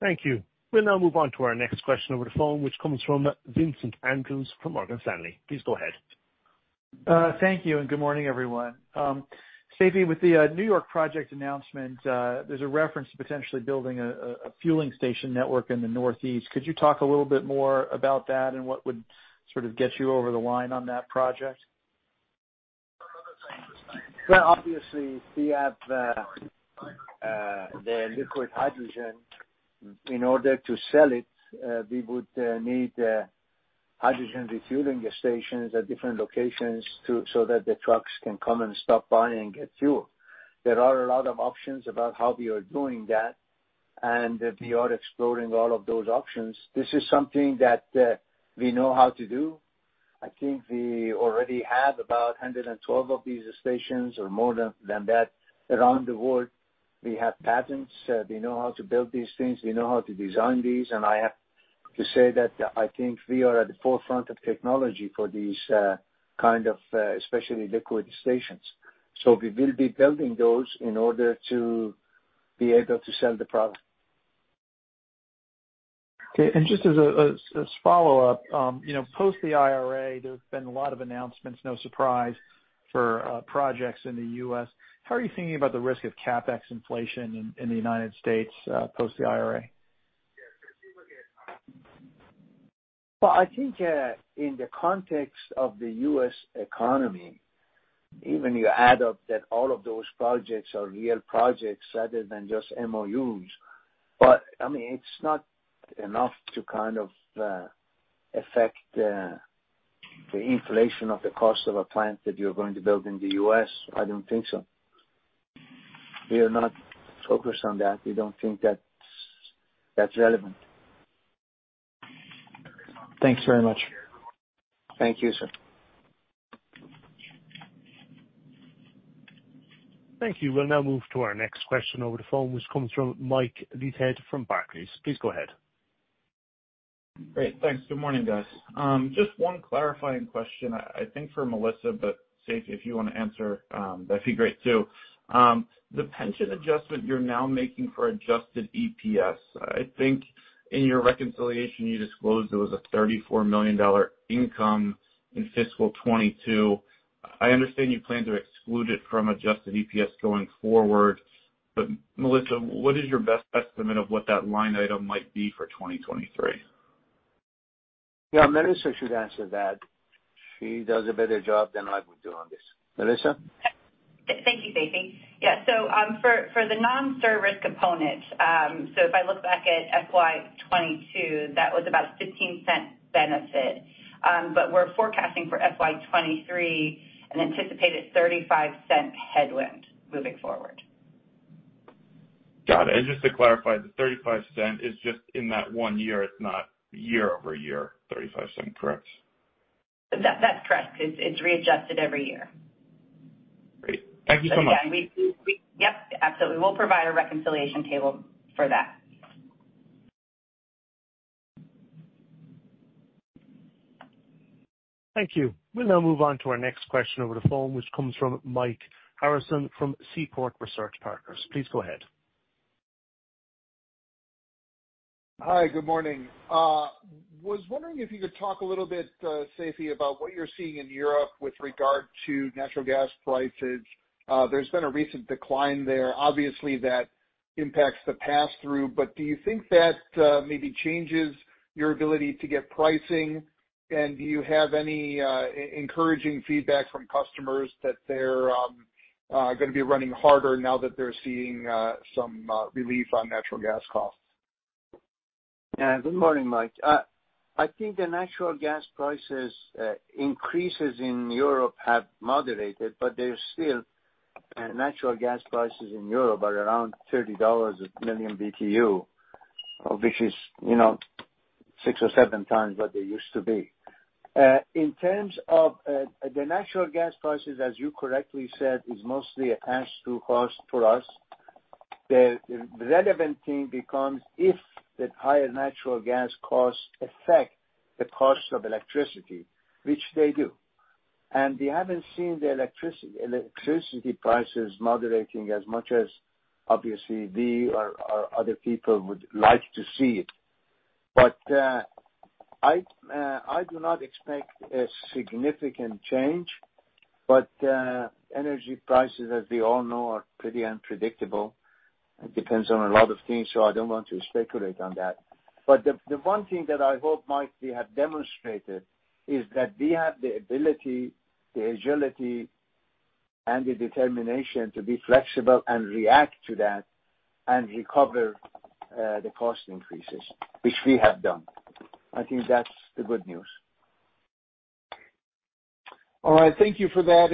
[SPEAKER 1] Thank you. We'll now move on to our next question over the phone, which comes from Vincent Andrews from Morgan Stanley. Please go ahead.
[SPEAKER 13] Thank you, and good morning, everyone. Seifi, with the New York project announcement, there's a reference to potentially building a fueling station network in the Northeast. Could you talk a little bit more about that and what would sort of get you over the line on that project?
[SPEAKER 3] Well, obviously, we have the liquid hydrogen. In order to sell it, we would need hydrogen refueling stations at different locations so that the trucks can come and stop by and get fuel. There are a lot of options about how we are doing that, and we are exploring all of those options. This is something that we know how to do. I think we already have about 112 of these stations or more than that around the world. We have patents. We know how to build these things. We know how to design these. I have to say that I think we are at the forefront of technology for these kind of, especially liquid stations. We will be building those in order to be able to sell the product.
[SPEAKER 13] Okay. Just as a follow-up, you know, post the IRA, there's been a lot of announcements, no surprise, for projects in the U.S. How are you thinking about the risk of CapEx inflation in the United States post the IRA?
[SPEAKER 3] Well, I think in the context of the U.S. economy, even if you add up all of those projects are real projects rather than just MOUs. I mean, it's not enough to kind of affect the inflation of the cost of a plant that you're going to build in the U.S. I don't think so. We are not focused on that. We don't think that's relevant.
[SPEAKER 13] Thanks very much.
[SPEAKER 3] Thank you, sir.
[SPEAKER 1] Thank you. We'll now move to our next question over the phone, which comes from Mike Leithead from Barclays. Please go ahead.
[SPEAKER 14] Great. Thanks. Good morning, guys. Just one clarifying question, I think for Melissa, but Seifi, if you wanna answer, that'd be great too. The pension adjustment you're now making for adjusted EPS, I think in your reconciliation, you disclosed there was a $34 million income in fiscal 2022. I understand you plan to exclude it from adjusted EPS going forward. Melissa, what is your best estimate of what that line item might be for 2023?
[SPEAKER 3] Yeah, Melissa should answer that. She does a better job than I would do on this. Melissa?
[SPEAKER 5] Thank you, Seifi. Yeah. For the non-service component, if I look back at FY 2022, that was about $0.15 benefit. We're forecasting for FY 2023 an anticipated $0.35 headwind moving forward.
[SPEAKER 14] Got it. Just to clarify, the $0.35 is just in that one year, it's not year-over-year $0.35, correct?
[SPEAKER 5] That's correct. It's readjusted every year.
[SPEAKER 14] Great. Thank you so much.
[SPEAKER 5] Again, yep, absolutely. We'll provide a reconciliation table for that.
[SPEAKER 1] Thank you. We'll now move on to our next question over the phone, which comes from Mike Harrison from Seaport Research Partners. Please go ahead.
[SPEAKER 15] Hi, good morning. Was wondering if you could talk a little bit, Seifi, about what you're seeing in Europe with regard to natural gas prices. There's been a recent decline there. Obviously that impacts the pass-through, but do you think that maybe changes your ability to get pricing? Do you have any encouraging feedback from customers that they're gonna be running harder now that they're seeing some relief on natural gas costs?
[SPEAKER 3] Good morning, Mike. I think the natural gas prices increases in Europe have moderated, but they're still natural gas prices in Europe are around $30 a million BTU, which is, you know, six or seven times what they used to be. In terms of the natural gas prices, as you correctly said, is mostly a pass-through cost for us. The relevant thing becomes if the higher natural gas costs affect the cost of electricity, which they do. We haven't seen the electricity prices moderating as much as obviously we or other people would like to see it. I do not expect a significant change, but energy prices, as we all know, are pretty unpredictable. It depends on a lot of things, so I don't want to speculate on that. The one thing that I hope, Mike, we have demonstrated is that we have the ability, the agility, and the determination to be flexible and react to that and recover the cost increases, which we have done. I think that's the good news.
[SPEAKER 15] All right. Thank you for that.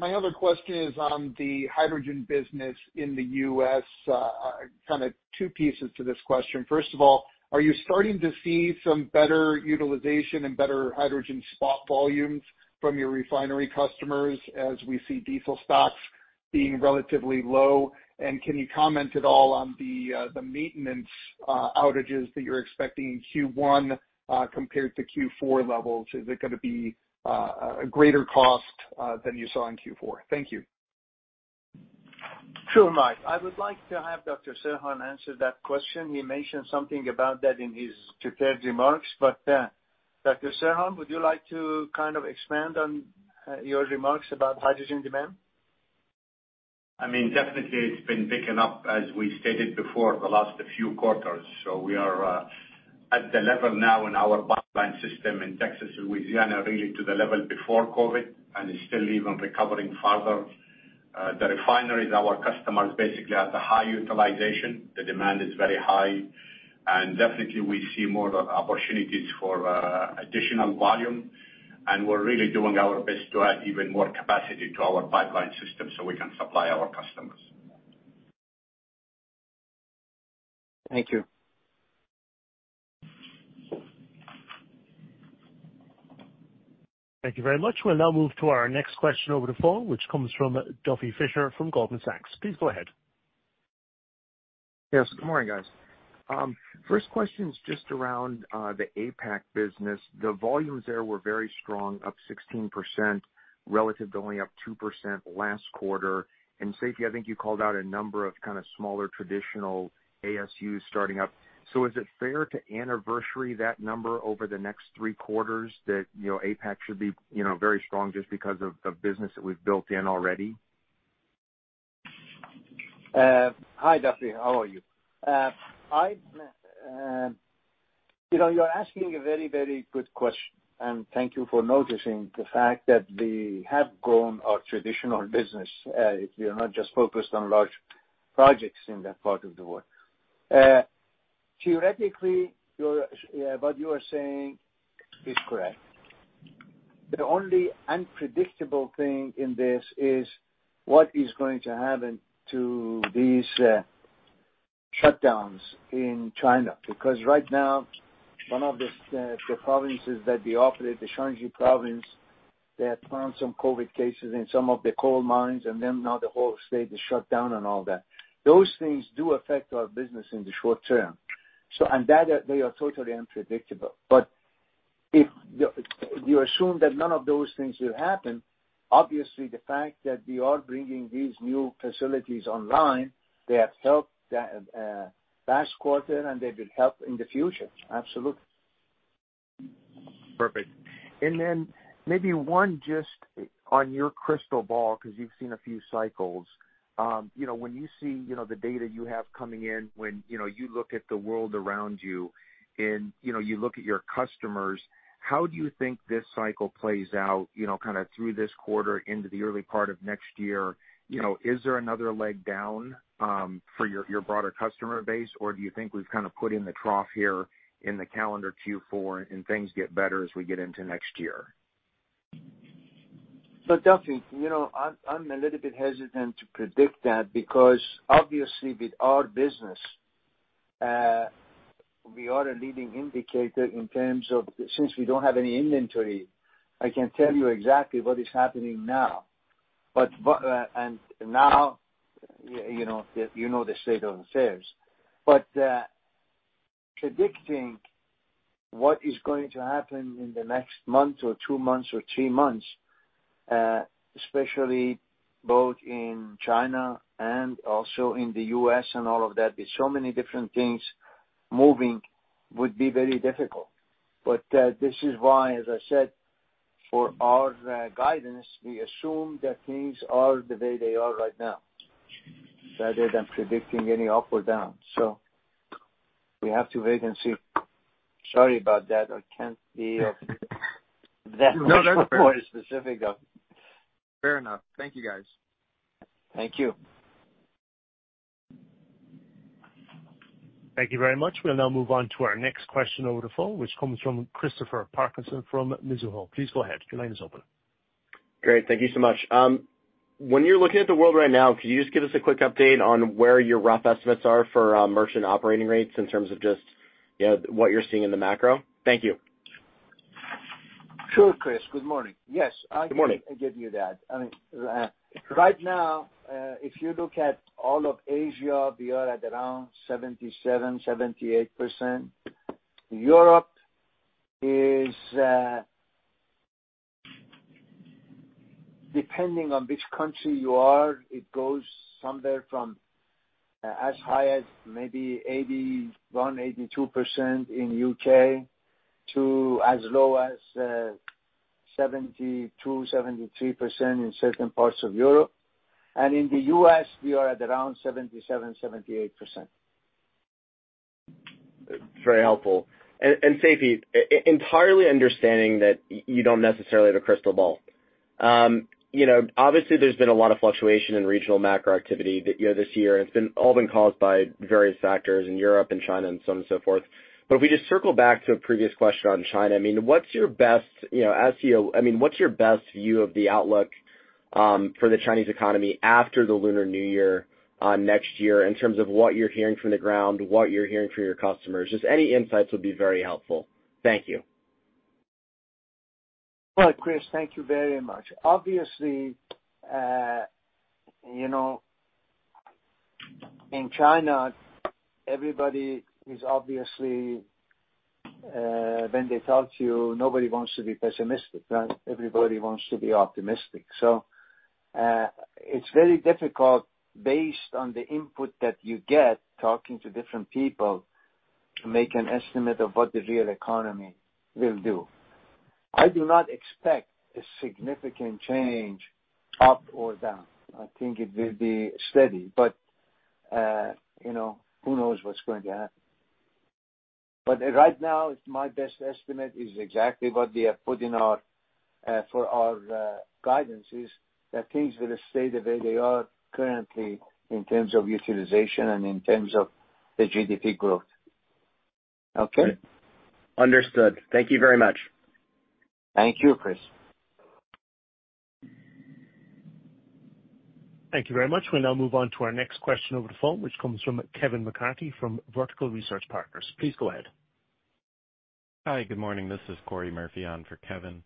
[SPEAKER 15] My other question is on the hydrogen business in the U.S. Kind of two pieces to this question. First of all, are you starting to see some better utilization and better hydrogen spot volumes from your refinery customers as we see diesel stocks being relatively low? Can you comment at all on the maintenance outages that you're expecting in Q1 compared to Q4 levels? Is it gonna be a greater cost than you saw in Q4? Thank you.
[SPEAKER 3] Sure, Mike. I would like to have Dr. Serhan answer that question. He mentioned something about that in his prepared remarks. Dr. Serhan, would you like to kind of expand on your remarks about hydrogen demand?
[SPEAKER 6] I mean, definitely it's been picking up as we stated before the last few quarters. We are at the level now in our pipeline system in Texas, Louisiana, really to the level before COVID, and it's still even recovering further. The refineries, our customers basically at the high utilization. The demand is very high. Definitely we see more opportunities for additional volume, and we're really doing our best to add even more capacity to our pipeline system so we can supply our customers.
[SPEAKER 15] Thank you.
[SPEAKER 1] Thank you very much. We'll now move to our next question over the phone, which comes from Duffy Fischer from Goldman Sachs. Please go ahead.
[SPEAKER 16] Yes. Good morning, guys. First question is just around the APAC business. The volumes there were very strong, up 16% relative to only up 2% last quarter. Seifi, I think you called out a number of kind of smaller traditional ASUs starting up. Is it fair to anniversary that number over the next three quarters that, you know, APAC should be, you know, very strong just because of the business that we've built in already?
[SPEAKER 3] Hi, Duffy. How are you? You know, you're asking a very, very good question, and thank you for noticing the fact that we have grown our traditional business. We are not just focused on large projects in that part of the world. Theoretically, what you are saying is correct. The only unpredictable thing in this is what is going to happen to these shutdowns in China. Because right now, one of the provinces that we operate, the Shanxi province, they have found some COVID cases in some of the coal mines, and then now the whole state is shut down and all that. Those things do affect our business in the short term. They are totally unpredictable. If you assume that none of those things will happen, obviously the fact that we are bringing these new facilities online, they have helped the last quarter, and they will help in the future. Absolutely.
[SPEAKER 16] Perfect. Maybe one just on your crystal ball, because you've seen a few cycles. You know, when you see, you know, the data you have coming in, when, you know, you look at the world around you and, you know, you look at your customers, how do you think this cycle plays out, you know, kind of through this quarter into the early part of next year? You know, is there another leg down, for your broader customer base, or do you think we've kind of put in the trough here in the calendar Q4 and things get better as we get into next year?
[SPEAKER 3] Duffy, you know, I'm a little bit hesitant to predict that because obviously with our business, we are a leading indicator. Since we don't have any inventory, I can tell you exactly what is happening now. Now you know the state of affairs. Predicting what is going to happen in the next month or two months or three months, especially both in China and also in the U.S. and all of that, with so many different things moving would be very difficult. This is why, as I said, for our guidance, we assume that things are the way they are right now rather than predicting any up or down. We have to wait and see. Sorry about that. I can't be any more specific, though.
[SPEAKER 16] Fair enough. Thank you, guys.
[SPEAKER 3] Thank you.
[SPEAKER 1] Thank you very much. We'll now move on to our next question over the phone, which comes from Christopher Parkinson from Mizuho. Please go ahead. Your line is open.
[SPEAKER 17] Great. Thank you so much. When you're looking at the world right now, could you just give us a quick update on where your rough estimates are for merchant operating rates in terms of just, you know, what you're seeing in the macro? Thank you.
[SPEAKER 3] Sure, Chris. Good morning. Yes.
[SPEAKER 17] Good morning.
[SPEAKER 3] I can give you that. I mean, right now, if you look at all of Asia, we are at around 77%-78%. Europe is, depending on which country you are, it goes somewhere from, as high as maybe 81%-82% in U.K. To as low as, 72%-73% in certain parts of Europe. In the U.S., we are at around 77%-78%.
[SPEAKER 17] Very helpful. Seifi, entirely understanding that you don't necessarily have a crystal ball. You know, obviously there's been a lot of fluctuation in regional macro activity you know, this year, and it's been caused by various factors in Europe and China and so on and so forth. If we just circle back to a previous question on China, I mean, what's your best, you know, as CEO, I mean, what's your best view of the outlook for the Chinese economy after the Lunar New Year next year in terms of what you're hearing from the ground, what you're hearing from your customers? Just any insights would be very helpful. Thank you.
[SPEAKER 3] Well, Chris, thank you very much. Obviously, you know, in China, everybody is obviously, when they talk to you, nobody wants to be pessimistic, right? Everybody wants to be optimistic. It's very difficult based on the input that you get talking to different people to make an estimate of what the real economy will do. I do not expect a significant change up or down. I think it will be steady, but, you know, who knows what's going to happen. Right now, my best estimate is exactly what we have put in our for our guidances, that things will stay the way they are currently in terms of utilization and in terms of the GDP growth. Okay?
[SPEAKER 17] Understood. Thank you very much.
[SPEAKER 3] Thank you, Chris.
[SPEAKER 1] Thank you very much. We'll now move on to our next question over the phone, which comes from Kevin McCarthy from Vertical Research Partners. Please go ahead.
[SPEAKER 18] Hi. Good morning. This is Corey Murphy on for Kevin.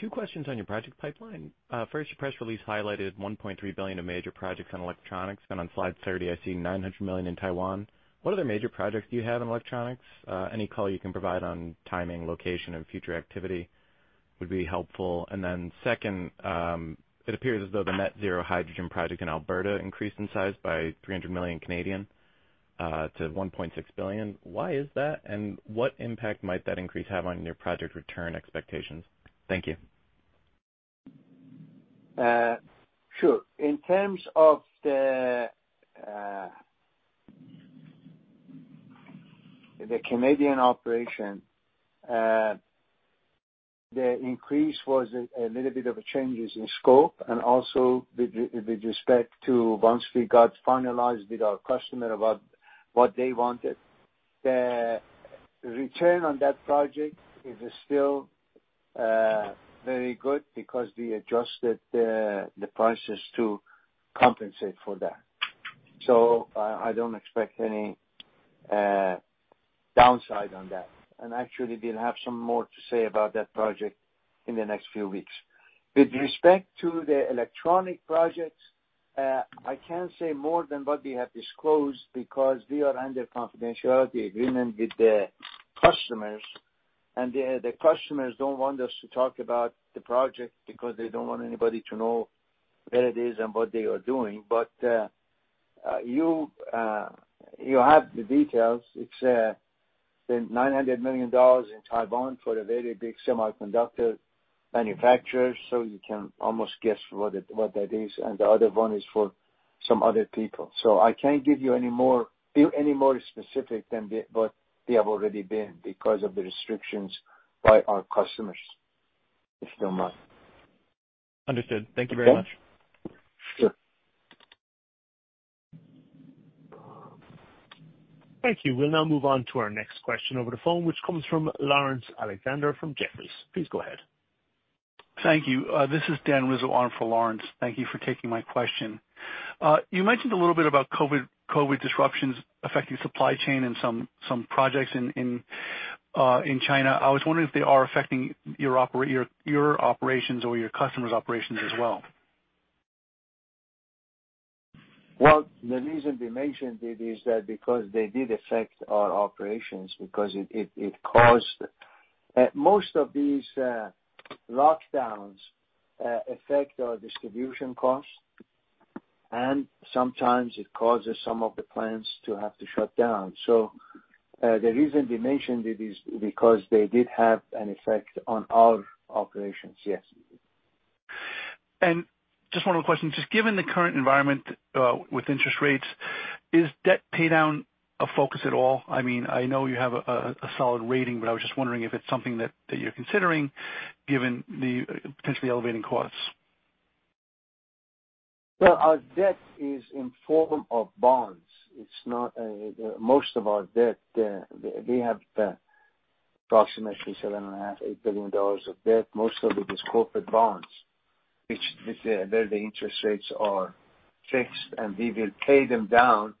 [SPEAKER 18] Two questions on your project pipeline. First, your press release highlighted $1.3 billion of major projects on electronics. Then on slide 30, I see $900 million in Taiwan. What other major projects do you have in electronics? Any color you can provide on timing, location, and future activity would be helpful. Then second, it appears as though the net zero hydrogen project in Alberta increased in size by 300 million to 1.6 billion. Why is that, and what impact might that increase have on your project return expectations? Thank you.
[SPEAKER 3] Sure. In terms of the Canadian operation, the increase was a little bit of changes in scope and also with respect to once we got finalized with our customer about what they wanted. The return on that project is still very good because we adjusted the prices to compensate for that. I don't expect any downside on that. Actually, we'll have some more to say about that project in the next few weeks. With respect to the electronic projects, I can't say more than what we have disclosed because we are under confidentiality agreement with the customers, and the customers don't want us to talk about the project because they don't want anybody to know where it is and what they are doing. You have the details. It's the $900 million in Taiwan for a very big semiconductor manufacturer, so you can almost guess what that is. The other one is for some other people. I can't give you any more, be any more specific than what we have already been because of the restrictions by our customers, if you don't mind.
[SPEAKER 18] Understood. Thank you very much.
[SPEAKER 3] Okay? Sure.
[SPEAKER 1] Thank you. We'll now move on to our next question over the phone, which comes from Laurence Alexander from Jefferies. Please go ahead.
[SPEAKER 19] Thank you. This is Daniel Rizzo on for Laurence. Thank you for taking my question. You mentioned a little bit about COVID disruptions affecting supply chain and some projects in China. I was wondering if they are affecting your operations or your customers' operations as well.
[SPEAKER 3] Well, the reason we mentioned it is that because they did affect our operations because it caused most of these lockdowns affect our distribution costs, and sometimes it causes some of the plants to have to shut down. The reason we mentioned it is because they did have an effect on our operations, yes.
[SPEAKER 19] Just one more question. Just given the current environment with interest rates, is debt paydown a focus at all? I mean, I know you have a solid rating, but I was just wondering if it's something that you're considering given the potentially elevating costs.
[SPEAKER 3] Well, our debt is in form of bonds. It's not most of our debt we have approximately $7.5 billion-$8 billion of debt. Most of it is corporate bonds, the interest rates are fixed, and we will pay them down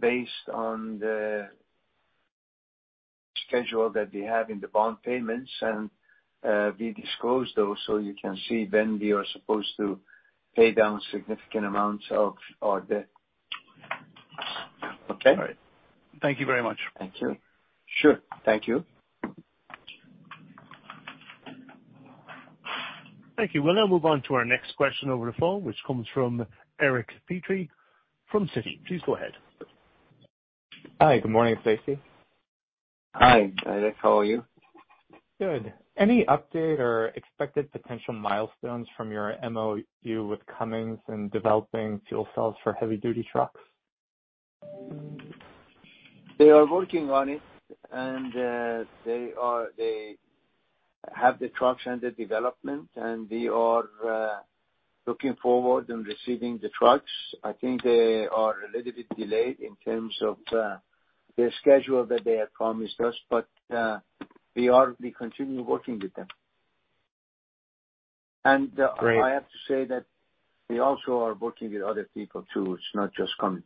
[SPEAKER 3] based on the schedule that we have in the bond payments. We disclose those, so you can see when we are supposed to pay down significant amounts of our debt. Okay.
[SPEAKER 19] All right. Thank you very much.
[SPEAKER 3] Thank you. Sure. Thank you.
[SPEAKER 1] Thank you. We'll now move on to our next question over the phone, which comes from Eric Petrie from Citi. Please go ahead.
[SPEAKER 20] Hi, good morning, Seifi.
[SPEAKER 3] Hi, Eric. How are you?
[SPEAKER 20] Good. Any update or expected potential milestones from your MOU with Cummins in developing fuel cells for heavy duty trucks?
[SPEAKER 3] They are working on it. They have the trucks under development, and we are looking forward to receiving the trucks. I think they are a little bit delayed in terms of their schedule that they had promised us. We continue working with them.
[SPEAKER 20] Great.
[SPEAKER 3] I have to say that we also are working with other people, too. It's not just Cummins.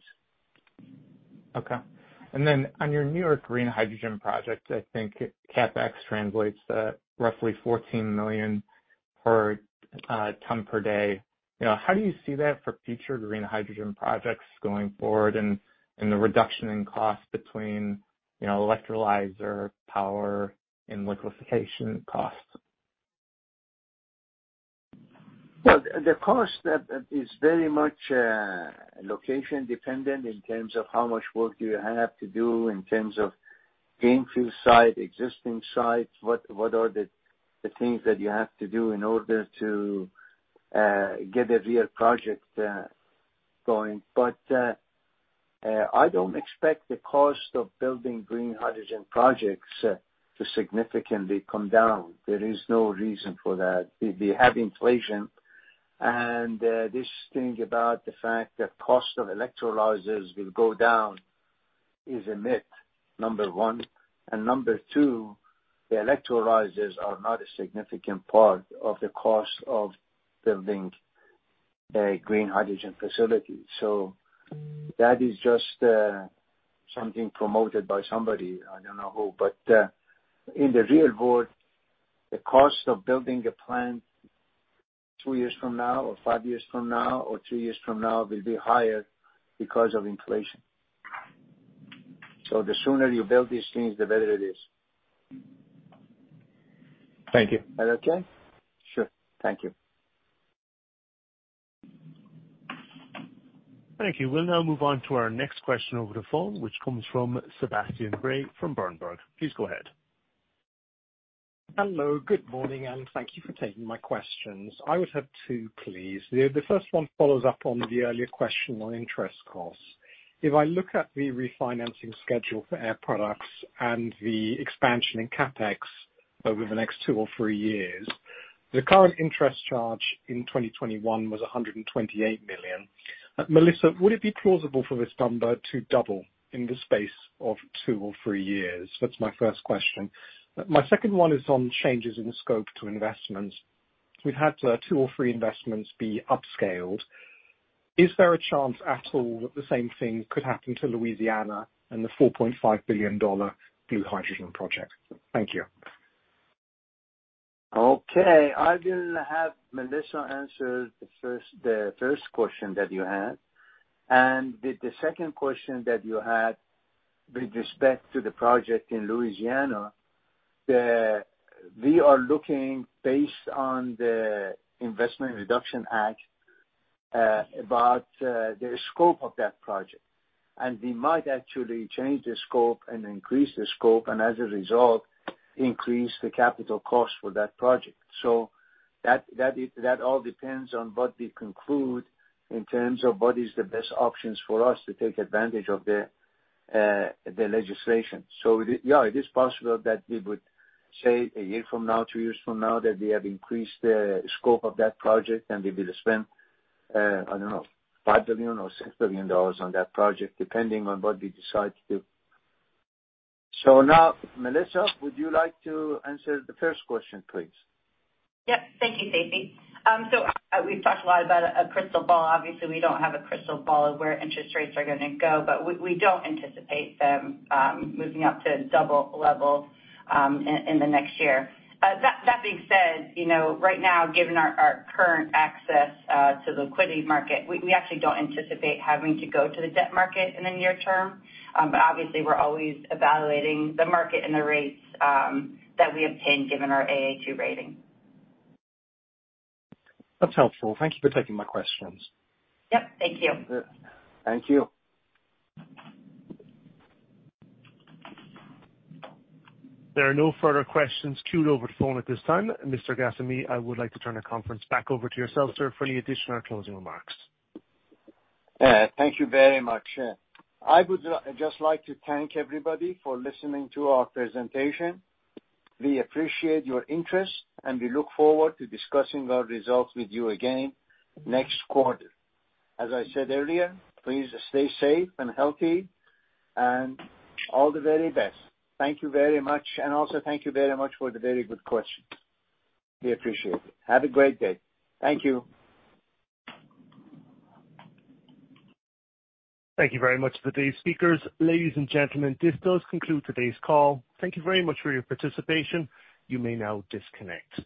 [SPEAKER 20] Okay. Then on your New York green hydrogen project, I think CapEx translates to roughly $14 million per ton per day. You know, how do you see that for future green hydrogen projects going forward and the reduction in cost between, you know, electrolyzer power and liquefaction costs?
[SPEAKER 3] Well, the cost that is very much location dependent in terms of how much work do you have to do in terms of greenfield site, existing sites, what are the things that you have to do in order to get a real project going. I don't expect the cost of building green hydrogen projects to significantly come down. There is no reason for that. We have inflation. This thing about the fact that cost of electrolyzers will go down is a myth, number one. Number two, the electrolyzers are not a significant part of the cost of building a green hydrogen facility. That is just something promoted by somebody. I don't know who. In the real world, the cost of building a plant two years from now or five years from now or three years from now will be higher because of inflation. The sooner you build these things, the better it is.
[SPEAKER 20] Thank you.
[SPEAKER 3] That okay? Sure. Thank you.
[SPEAKER 1] Thank you. We'll now move on to our next question over the phone, which comes from Sebastian Bray from Berenberg. Please go ahead.
[SPEAKER 21] Hello, good morning, and thank you for taking my questions. I would have two, please. The first one follows up on the earlier question on interest costs. If I look at the refinancing schedule for Air Products and the expansion in CapEx over the next two or three years, the current interest charge in 2021 was $128 million. Melissa, would it be plausible for this number to double in the space of two or three years? That's my first question. My second one is on changes in scope to investments. We've had two or three investments be upscaled. Is there a chance at all that the same thing could happen to Louisiana and the $4.5 billion blue hydrogen project? Thank you.
[SPEAKER 3] Okay. I will have Melissa answer the first question that you had. The second question that you had with respect to the project in Louisiana, we are looking based on the Inflation Reduction Act, about the scope of that project. We might actually change the scope and increase the scope and as a result, increase the capital cost for that project. That all depends on what we conclude in terms of what is the best options for us to take advantage of the legislation. It is possible that we would say a year from now, two years from now, that we have increased the scope of that project and we will spend, I don't know, $5 billion or $6 billion on that project, depending on what we decide to do. Now, Melissa, would you like to answer the first question, please?
[SPEAKER 5] Yep. Thank you, Seifi. So we've talked a lot about a crystal ball. Obviously, we don't have a crystal ball of where interest rates are gonna go, but we don't anticipate them moving up to double levels in the next year. That being said, you know, right now, given our current access to the liquidity market, we actually don't anticipate having to go to the debt market in the near term. But obviously we're always evaluating the market and the rates that we obtain given our Aa2 rating.
[SPEAKER 21] That's helpful. Thank you for taking my questions.
[SPEAKER 5] Yep. Thank you.
[SPEAKER 3] Thank you.
[SPEAKER 1] There are no further questions queued over the phone at this time. Mr. Ghasemi, I would like to turn the conference back over to yourself, sir, for any additional or closing remarks.
[SPEAKER 3] Thank you very much. I would just like to thank everybody for listening to our presentation. We appreciate your interest, and we look forward to discussing our results with you again next quarter. As I said earlier, please stay safe and healthy and all the very best. Thank you very much, and also thank you very much for the very good questions. We appreciate it. Have a great day. Thank you.
[SPEAKER 1] Thank you very much for today's speakers. Ladies and gentlemen, this does conclude today's call. Thank you very much for your participation. You may now disconnect.